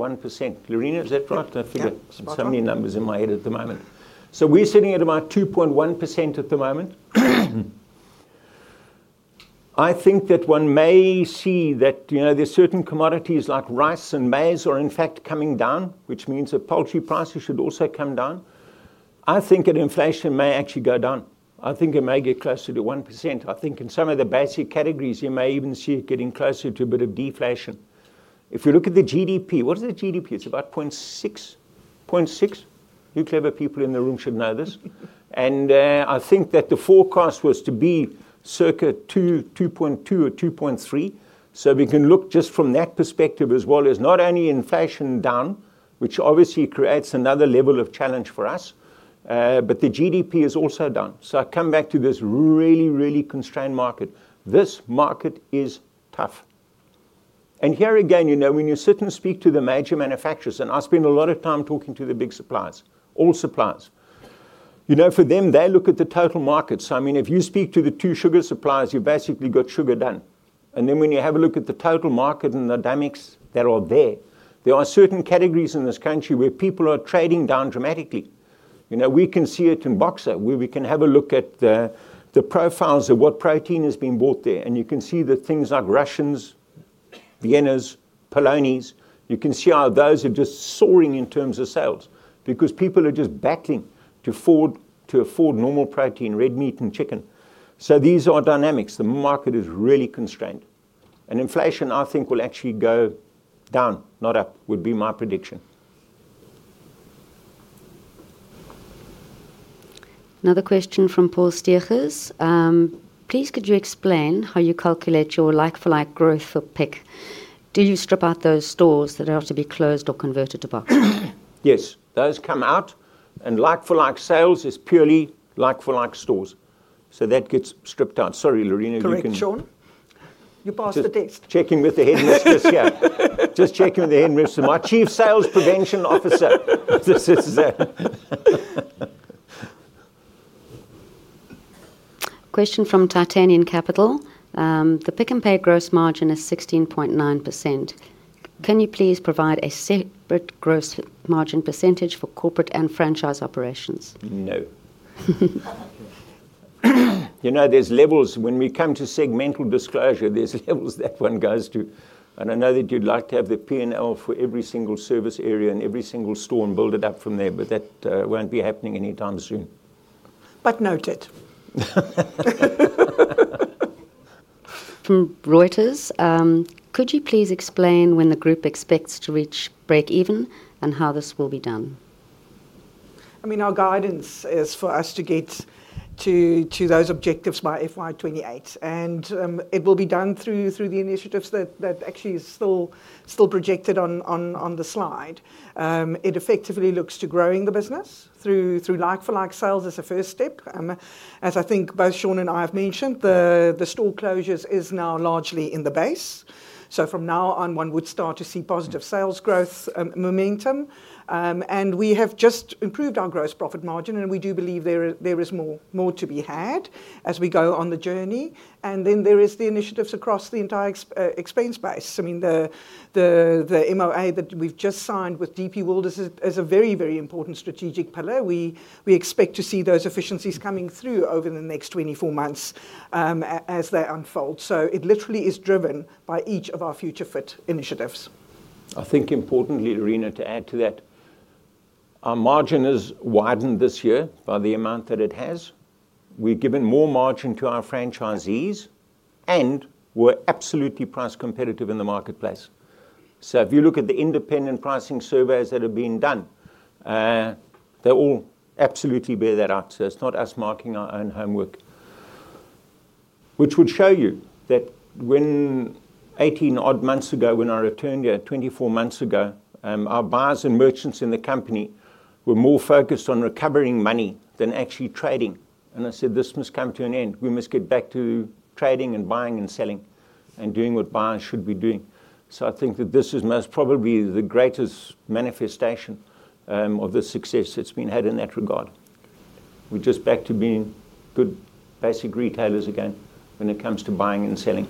Lerena, is that right? I forget. I have so many numbers in my head at the moment. We're sitting at about 2.1% at the moment. I think that one may see that there's certain commodities like rice and maize that are in fact coming down, which means that poultry prices should also come down. I think that inflation may actually go down. I think it may get closer to 1%. In some of the basic categories, you may even see it getting closer to a bit of deflation. If you look at the GDP, what is the GDP? It's about 0.6%. You clever people in the room should know this. I think that the forecast was to be circa 2.2% or 2.3%. We can look just from that perspective as well as not only inflation down, which obviously creates another level of challenge for us, but the GDP is also down. I come back to this really, really constrained market. This market is tough. When you sit and speak to the major manufacturers, and I spend a lot of time talking to the big suppliers, all suppliers, for them, they look at the total market. If you speak to the two sugar suppliers, you've basically got sugar done. When you have a look at the total market and the dynamics that are there, there are certain categories in this country where people are trading down dramatically. We can see it in Boxer, where we can have a look at the profiles of what protein is being bought there. You can see that things like Russians, Viennas, Polonies, you can see how those are just soaring in terms of sales because people are just battling to afford normal protein, red meat and chicken. These are dynamics. The market is really constrained. Inflation, I think, will actually go down, not up, would be my prediction. Another question from Paul Stehers. Please, could you explain how you calculate your like-for-like growth for Pick? Do you strip out those stores that are to be closed or converted to Boxer? Yes, those come out, and like-for-like sales is purely like-for-like stores. That gets stripped out. Sorry, Lerena. Sean, you pass the desk. Checking with the headmistress here. Just checking with the headmistress, my Chief Sales Prevention Officer. This is. A question from Titanium Capital. The Pick n Pay gross margin is 16.9%. Can you please provide a separate gross margin percentage for corporate and franchise operations? No. You know, there's levels. When we come to segmental disclosure, there's levels that one goes to. I know that you'd like to have the P&L for every single service area and every single store and build it up from there, but that won't be happening anytime soon. Noted. From Reuters. Could you please explain when the group expects to reach break-even and how this will be done? Our guidance is for us to get to those objectives by FY 2028. It will be done through the initiatives that actually are still projected on the slide. It effectively looks to growing the business through like-for-like sales as a first step. As I think both Sean and I have mentioned, the store closures are now largely in the base. From now on, one would start to see positive sales growth momentum. We have just improved our gross profit margin, and we do believe there is more to be had as we go on the journey. There are the initiatives across the entire expense base. The MOU that we've just signed with DP World is a very, very important strategic pillar. We expect to see those efficiencies coming through over the next 24 months as they unfold. It literally is driven by each of our future-fit initiatives. I think importantly, Lerena, to add to that, our margin has widened this year by the amount that it has. We've given more margin to our franchisees and we're absolutely price competitive in the marketplace. If you look at the independent pricing surveys that have been done, they all absolutely bear that out. It's not us marking our own homework, which would show you that 18-odd months ago, when I returned here 24 months ago, our buyers and merchants in the company were more focused on recovering money than actually trading. I said this must come to an end. We must get back to trading and buying and selling and doing what buyers should be doing. I think that this is most probably the greatest manifestation of the success that's been had in that regard. We're just back to being good basic retailers again when it comes to buying and selling.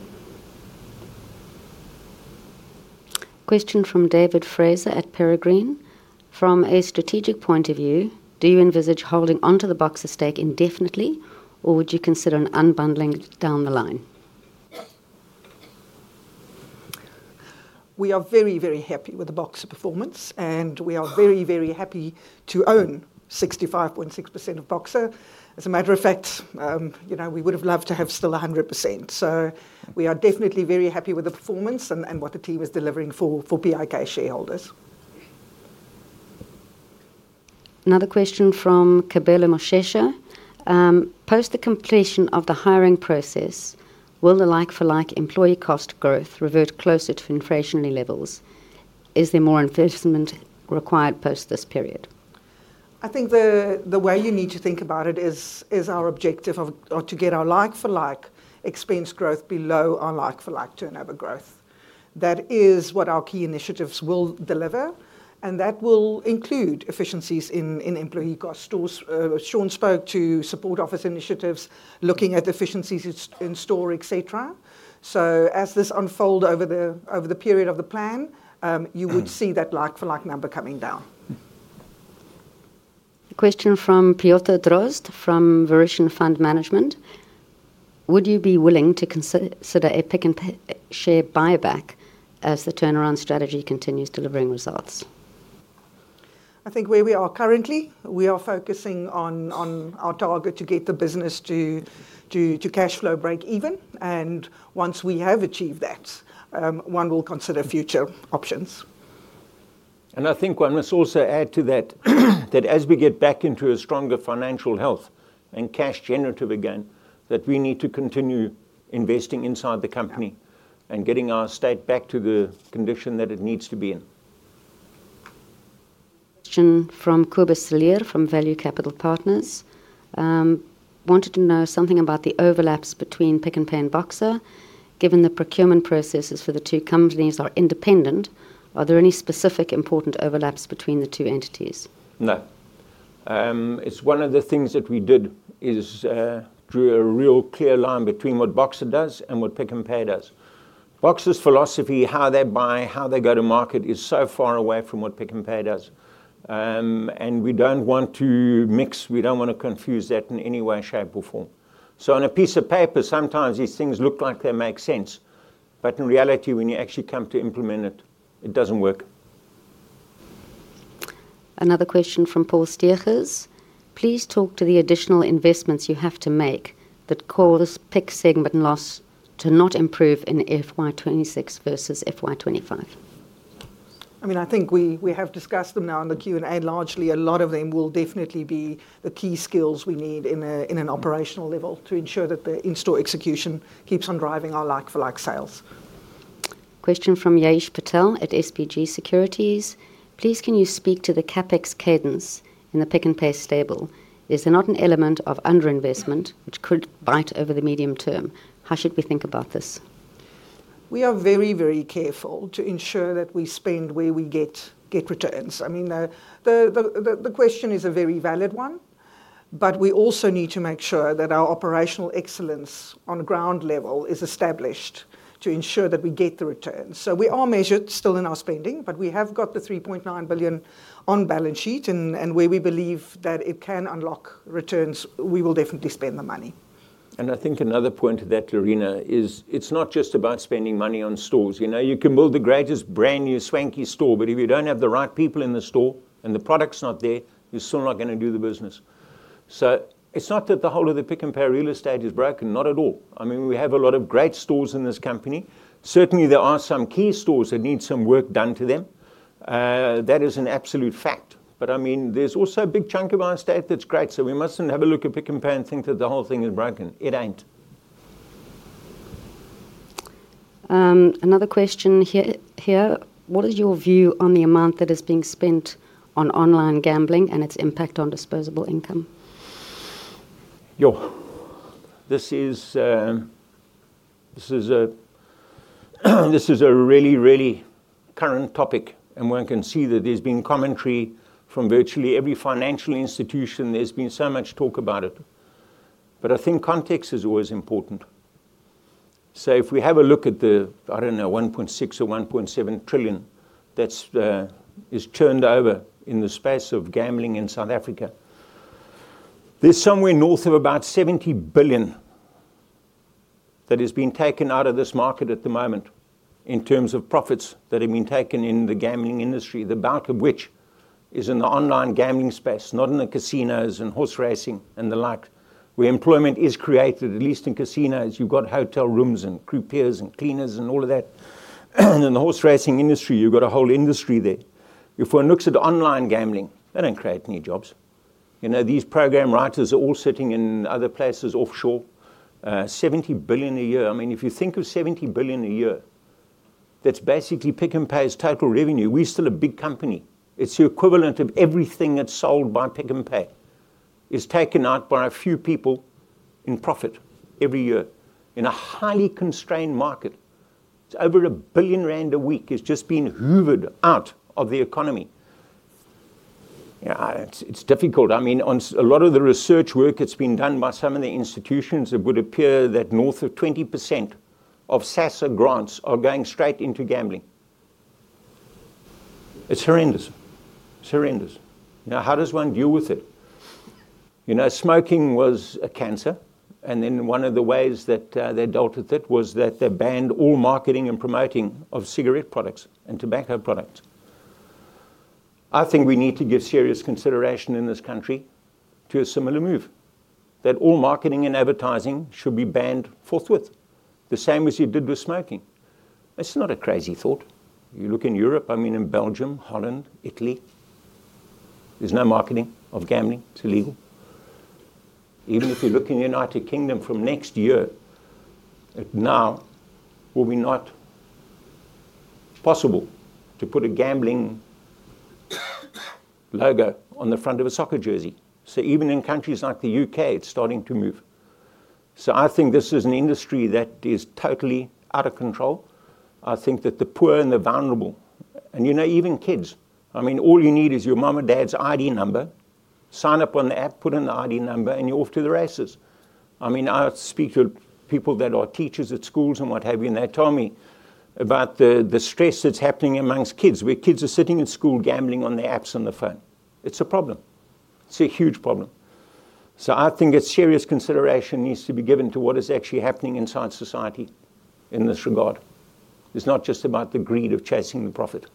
Question from David Fraser at Peregrine. From a strategic point of view, do you envisage holding onto the Boxer stake indefinitely or would you consider unbundling it down the line? We are very, very happy with the Boxer performance, and we are very, very happy to own 65.6% of Boxer. As a matter of fact, you know, we would have loved to have still 100%. We are definitely very happy with the performance and what the team is delivering for Pick n Pay shareholders. Another question from Cabela Moshecha. Post the completion of the hiring process, will the like-for-like employee cost growth revert closer to inflationary levels? Is there more investment required post this period? I think the way you need to think about it is our objective to get our like-for-like expense growth below our like-for-like turnover growth. That is what our key initiatives will deliver, and that will include efficiencies in employee costs. Sean spoke to support office initiatives, looking at efficiencies in store, et cetera. As this unfolds over the period of the plan, you would see that like-for-like number coming down. A question from [Priyotha Drozd] from Varushan Fund Management. Would you be willing to consider a Pick n Pay share buyback as the turnaround strategy continues delivering results? I think where we are currently, we are focusing on our target to get the business to cash flow break even. Once we have achieved that, one will consider future options. I think one must also add to that that as we get back into a stronger financial health and cash generative again, we need to continue investing inside the company and getting our estate back to the condition that it needs to be in. Question from [Kuba Salir] from Value Capital Partners. Wanted to know something about the overlaps between Pick n Pay and Boxer. Given the procurement processes for the two companies are independent, are there any specific important overlaps between the two entities? No. One of the things that we did is drew a real clear line between what Boxer does and what Pick n Pay does. Boxer's philosophy, how they buy, how they go-to-market, is so far away from what Pick n Pay does. We don't want to mix. We don't want to confuse that in any way, shape, or form. On a piece of paper, sometimes these things look like they make sense. In reality, when you actually come to implement it, it doesn't work. Another question from Paul Stehers. Please talk to the additional investments you have to make that cause Pick segment loss to not improve in FY 2026 versus FY 2025. I mean, I think we have discussed them now in the Q&A. Largely, a lot of them will definitely be the key skills we need at an operational level to ensure that the in-store execution keeps on driving our like-for-like sales. Question from Ya'eesh Patel at SBG Securities. Please, can you speak to the CapEx cadence in the Pick n Pay stable? Is there not an element of underinvestment which could bite over the medium-term? How should we think about this? We are very, very careful to ensure that we spend where we get returns. The question is a very valid one. We also need to make sure that our operational excellence on a ground level is established to ensure that we get the returns. We are measured still in our spending, but we have got the 3.9 billion on balance sheet, and where we believe that it can unlock returns, we will definitely spend the money. I think another point to that, Lerena, is it's not just about spending money on stores. You know, you can build the greatest brand new, swanky store, but if you don't have the right people in the store and the product's not there, you're still not going to do the business. It's not that the whole of the Pick n Pay real estate is broken. Not at all. I mean, we have a lot of great stores in this company. Certainly, there are some key stores that need some work done to them. That is an absolute fact. I mean, there's also a big chunk of our estate that's great. We mustn't have a look at Pick n Pay and think that the whole thing is broken. It ain't. Another question here. What is your view on the amount that is being spent on online gambling and its impact on disposable income? This is a really, really current topic, and one can see that there's been commentary from virtually every financial institution. There's been so much talk about it. I think context is always important. If we have a look at the, I don't know, 1.6 or 1.7 trillion that is churned over in the space of gambling in South Africa, there's somewhere north of about 70 billion that is being taken out of this market at the moment in terms of profits that are being taken in the gambling industry, the bulk of which is in the online gambling space, not in the casinos and horse racing and the like, where employment is created, at least in casinos. You've got hotel rooms and crew pairs and cleaners and all of that. In the horse racing industry, you've got a whole industry there. If one looks at online gambling, they don't create any jobs. These program writers are all sitting in other places offshore. 70 billion a year. If you think of 70 billion a year, that's basically Pick n Pay's total revenue. We're still a big company. It's the equivalent of everything that's sold by Pick n Pay. It's taken out by a few people in profit every year in a highly constrained market. It's over 1 billion rand a week is just being hoovered out of the economy. It's difficult. On a lot of the research work that's been done by some of the institutions, it would appear that north of 20% of SASSA grants are going straight into gambling. It's horrendous. It's horrendous. Now, how does one deal with it? Smoking was a cancer, and then one of the ways that they dealt with it was that they banned all marketing and promoting of cigarette products and tobacco products. I think we need to give serious consideration in this country to a similar move, that all marketing and advertising should be banned forthwith, the same as you did with smoking. It's not a crazy thought. You look in Europe, in Belgium, Holland, Italy, there's no marketing of gambling. It's illegal. Even if you look in the United Kingdom, from next year it now will be not possible to put a gambling logo on the front of a soccer jersey. Even in countries like the U.K., it's starting to move. I think this is an industry that is totally out of control. I think that the poor and the vulnerable, and you know, even kids, I mean, all you need is your mom and dad's ID number, sign up on the app, put in the ID number, and you're off to the races. I speak to people that are teachers at schools and what have you, and they tell me about the stress that's happening amongst kids, where kids are sitting at school gambling on the apps on the phone. It's a problem. It's a huge problem. I think a serious consideration needs to be given to what is actually happening inside society in this regard. It's not just about the greed of chasing the profit.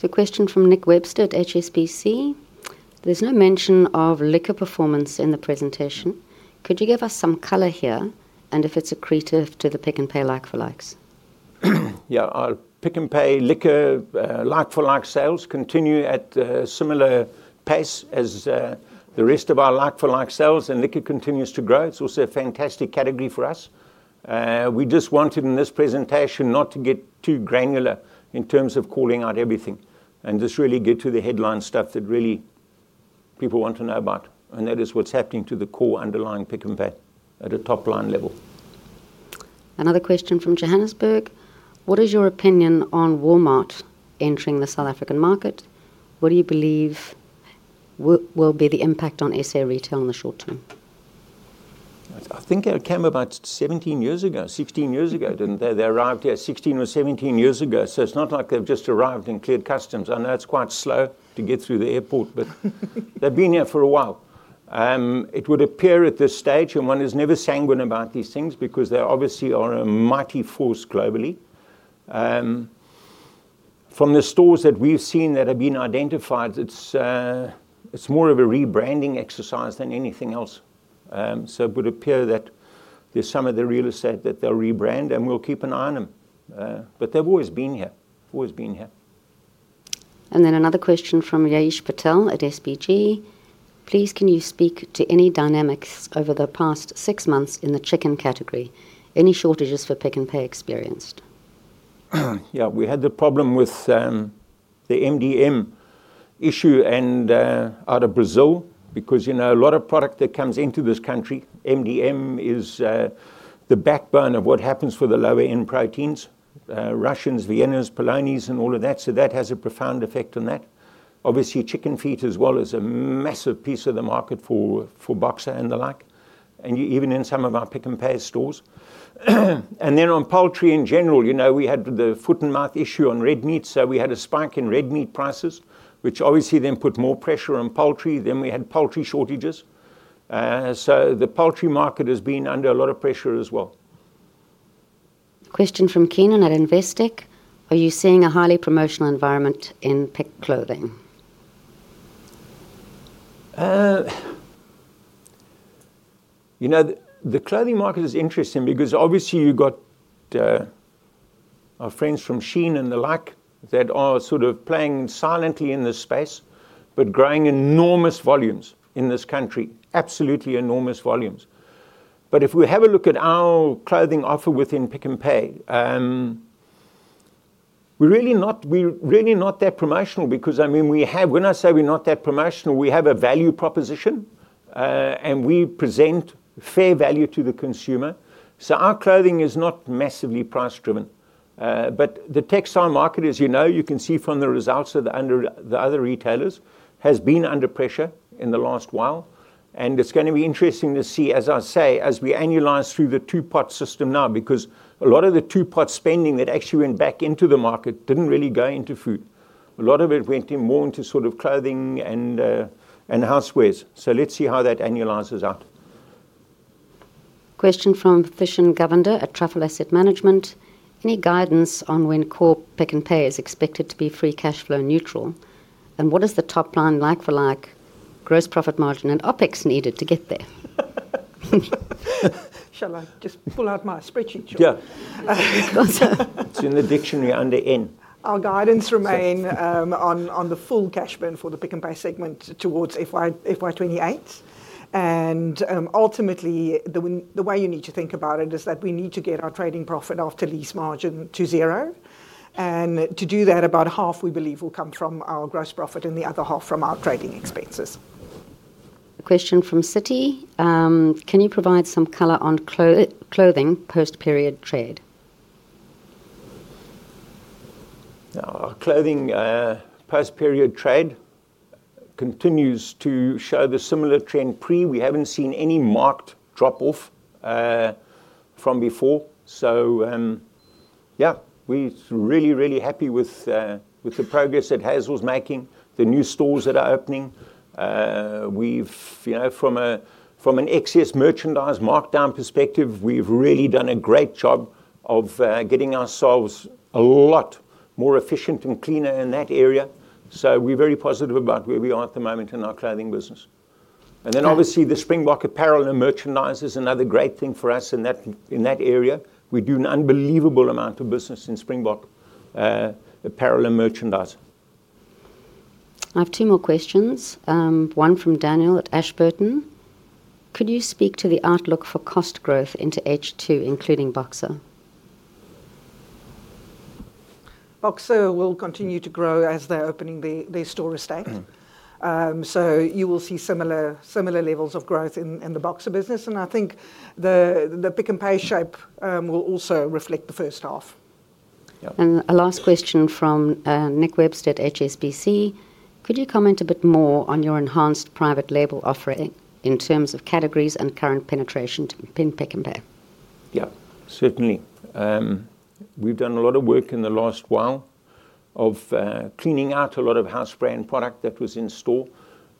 A question from Nick Webster at HSBC. There's no mention of liquor performance in the presentation. Could you give us some color here, and if it's accretive to the Pick n Pay like-for-likes? Yeah, Pick n Pay liquor like-for-like sales continue at a similar pace as the rest of our like-for-like sales, and liquor continues to grow. It's also a fantastic category for us. We just wanted in this presentation not to get too granular in terms of calling out everything and just really get to the headline stuff that really people want to know about. That is what's happening to the core underlying Pick n Pay at a top line level. Another question from Johannesburg. What is your opinion on Walmart entering the South African market? What do you believe will be the impact on S.A. retail in the short-term? I think it came about 17 years ago, 16 years ago, didn't they? They arrived here 16 or 17 years ago. It's not like they've just arrived and cleared customs. I know it's quite slow to get through the airport, but they've been here for a while. It would appear at this stage, and one is never sanguine about these things because they obviously are a mighty force globally. From the stores that we've seen that have been identified, it's more of a rebranding exercise than anything else. It would appear that there's some of the real estate that they'll rebrand, and we'll keep an eye on them. They've always been here, always been here. Another question from Ya'eesh Patel at SBG. Please, can you speak to any dynamics over the past six months in the chicken category? Any shortages for Pick n Pay experienced? Yeah, we had the problem with the MDM issue out of Brazil because, you know, a lot of product that comes into this country, MDM is the backbone of what happens for the lower-end proteins, Russians, Viennas, Polonies, and all of that. That has a profound effect on that. Obviously, chicken feet as well is a massive piece of the market for Boxer and the like, and even in some of our Pick n Pay stores. On poultry in general, you know, we had the foot-and-mouth issue on red meat. We had a spike in red meat prices, which obviously then put more pressure on poultry. We had poultry shortages. The poultry market has been under a lot of pressure as well. Question from [Keenan] at Investec. Are you seeing a highly promotional environment in Pick n Pay Clothing? You know, the clothing market is interesting because obviously you've got our friends from Shein and the like that are sort of playing silently in this space, but growing enormous volumes in this country, absolutely enormous volumes. If we have a look at our clothing offer within Pick n Pay, we're really not that promotional because, I mean, when I say we're not that promotional, we have a value proposition and we present fair value to the consumer. Our clothing is not massively price-driven. The textile market, as you know, you can see from the results of the other retailers, has been under pressure in the last while. It's going to be interesting to see, as I say, as we annualize through the two-pot system now, because a lot of the two-pot spending that actually went back into the market didn't really go into food. A lot of it went more into sort of clothing and housewares. Let's see how that annualizes out. Question from Thishan Govinder, at Truffle Asset Management. Any guidance on when core Pick n Pay is expected to be free cash flow neutral? What is the top line like-for-like, gross profit margin, and OpEx needed to get there? Shall I just pull out my spreadsheet, Sean? Yeah. It's in the dictionary under N. Our guidance remains on the full cash burn for the Pick n Pay segment towards FY 2028. Ultimately, the way you need to think about it is that we need to get our trading profit after lease margin to zero. To do that, about half we believe will come from our gross profit and the other half from our trading expenses. A question from Citi. Can you provide some color on clothing post-period trade? Our clothing post-period trade continues to show the similar trend pre. We haven't seen any marked drop-off from before. We're really, really happy with the progress that Hazel's making, the new stores that are opening. From an excess merchandise markdown perspective, we've really done a great job of getting ourselves a lot more efficient and cleaner in that area. We're very positive about where we are at the moment in our clothing business. Obviously, the Springbok Apparel and Merchandise is another great thing for us in that area. We do an unbelievable amount of business in Springbok Apparel and Merchandise. I have two more questions. One from Daniel at Ashburton. Could you speak to the outlook for cost growth into H2, including Boxer? Boxer will continue to grow as they're opening their store estate. You will see similar levels of growth in the Boxer business. I think the Pick n Pay shape will also reflect the first half. A last question from Nick Webster at HSBC. Could you comment a bit more on your enhanced private label offering in terms of categories and current penetration to Pick n Pay? Yeah, certainly. We've done a lot of work in the last while of cleaning out a lot of house brand product that was in store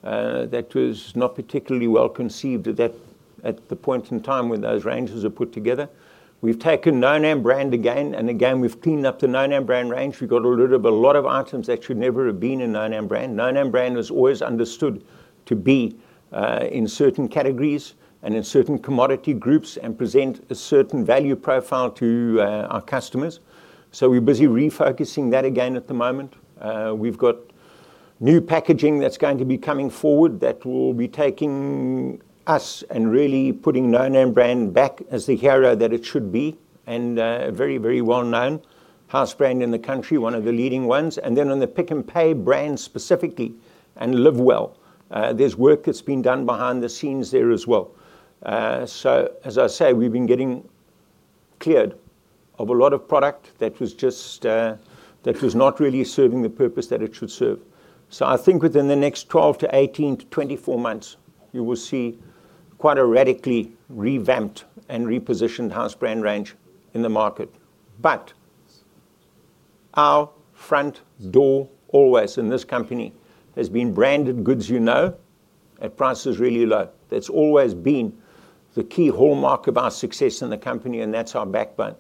that was not particularly well conceived at the point in time when those ranges are put together. We've taken No Name brand again, and again we've cleaned up the No Name and brand range. We've got a lot of items that should never have been a No Name and brand. No Name and brand was always understood to be in certain categories and in certain commodity groups and present a certain value profile to our customers. We're busy refocusing that again at the moment. We've got new packaging that's going to be coming forward that will be taking us and really putting No Name brand back as the hero that it should be and a very, very well-known house brand in the country, one of the leading ones. On the Pick n Pay brand specifically and Live Well, there's work that's been done behind the scenes there as well. As I say, we've been getting cleared of a lot of product that was just not really serving the purpose that it should serve. I think within the next 12-18 to 24 months, you will see quite a radically revamped and repositioned house brand range in the market. Our front door always in this company has been branded goods, you know, at prices really low. That's always been the key hallmark of our success in the company, and that's our backbone.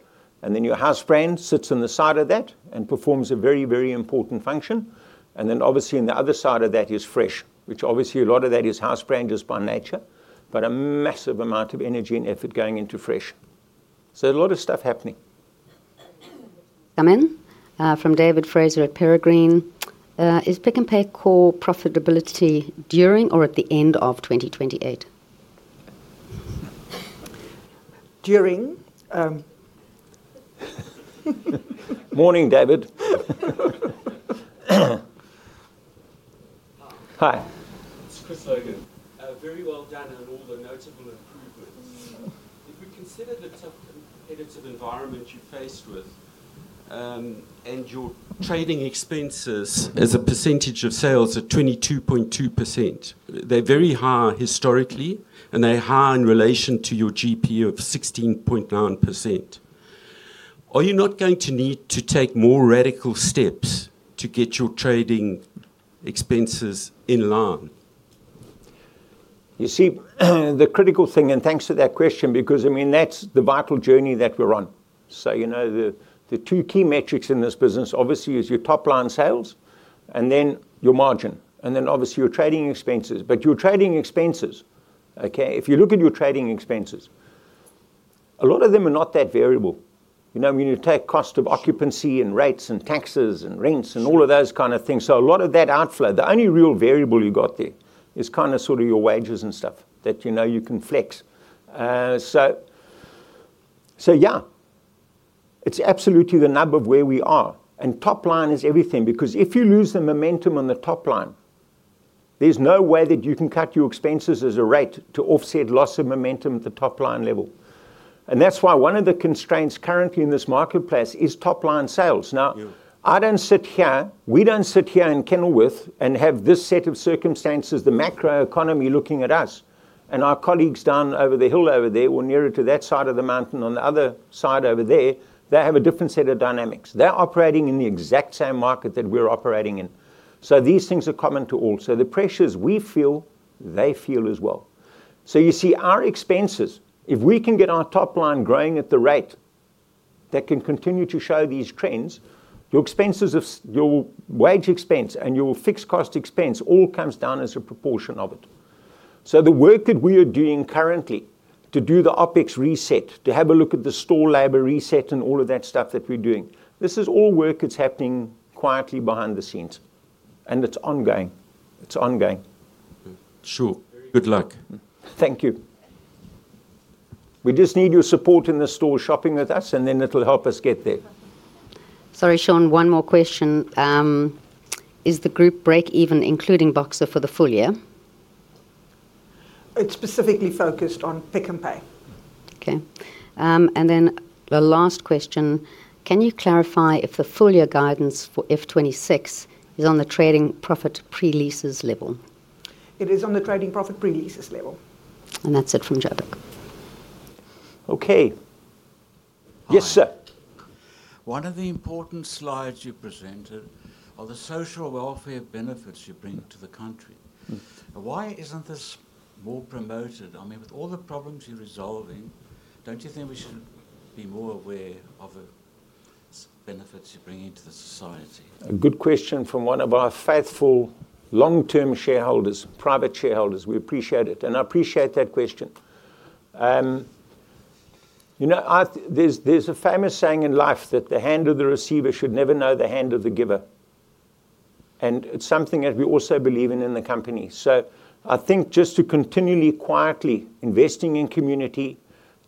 Your house brand sits on the side of that and performs a very, very important function. Obviously on the other side of that is Fresh, which obviously a lot of that is house brand just by nature, but a massive amount of energy and effort going into Fresh. A lot of stuff happening. Come in from David Fraser at Peregrine. Is Pick n Pay core profitability during or at the end of 2028? During. Morning, David. Hi. It's Chris Logan. Very well done on all the notable improvements. If we consider the competitive environment you faced with and your trading expenses as a percentage of sales at 22.2%, they're very high historically, and they're high in relation to your GP of 16.9%. Are you not going to need to take more radical steps to get your trading expenses in line? You see, the critical thing, and thanks for that question, because that's the vital journey that we're on. The two key metrics in this business obviously are your top line sales and then your margin, and then obviously your trading expenses. Your trading expenses, if you look at your trading expenses, a lot of them are not that variable. When you take cost of occupancy and rates and taxes and rents and all of those kind of things, a lot of that outflow, the only real variable you got there is kind of sort of your wages and stuff that you know you can flex. Yeah, it's absolutely the nub of where we are. Top line is everything because if you lose the momentum on the top line, there's no way that you can cut your expenses as a rate to offset loss of momentum at the top line level. That's why one of the constraints currently in this marketplace is top line sales. I don't sit here, we don't sit here in Kenilworth and have this set of circumstances, the macroeconomy looking at us. Our colleagues down over the hill over there, or nearer to that side of the mountain on the other side over there, they have a different set of dynamics. They're operating in the exact same market that we're operating in. These things are common to all. The pressures we feel, they feel as well. You see, our expenses, if we can get our top line growing at the rate that can continue to show these trends, your expenses of your wage expense and your fixed cost expense all comes down as a proportion of it. The work that we are doing currently to do the OpEx reset, to have a look at the store labor reset and all of that stuff that we're doing, this is all work that's happening quietly behind the scenes. It's ongoing. It's ongoing. Sure. Good luck. Thank you. We just need your support in the store shopping with us, and then it'll help us get there. Sorry, Sean, one more question. Is the group break even including Boxer for the full year? It's specifically focused on Pick n Pay. Okay. The last question, can you clarify if the full year guidance for F 2026 is on the trading profit pre-leases level? It is on the trading profit pre-leases level. And that's it from [Joburg]. Okay. Yes, sir. One of the important slides you presented are the social welfare benefits you bring to the country. Why isn't this more promoted? I mean, with all the problems you're resolving, don't you think we should be more aware of the benefits you're bringing to the society? Good question from one of our faithful long-term shareholders, private shareholders. We appreciate it, and I appreciate that question. You know, there's a famous saying in life that the hand of the receiver should never know the hand of the giver. It's something that we also believe in in the company. I think just to continually quietly invest in community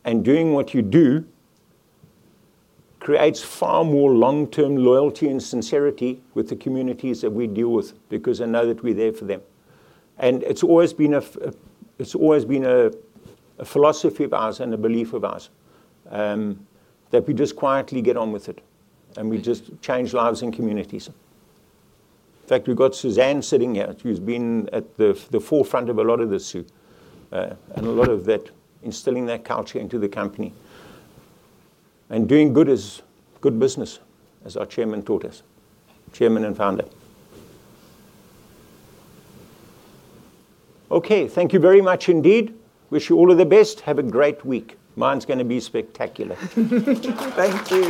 and do what you do creates far more long-term loyalty and sincerity with the communities that we deal with because I know that we're there for them. It's always been a philosophy of ours and a belief of ours that we just quietly get on with it, and we just change lives in communities. In fact, we've got Suzanne sitting here. She's been at the forefront of a lot of this too, and a lot of that instilling that culture into the company. Doing good is good business, as our Chairman taught us, Chairman and Founder. Thank you very much indeed. Wish you all the best. Have a great week. Mine's going to be spectacular. Thank you.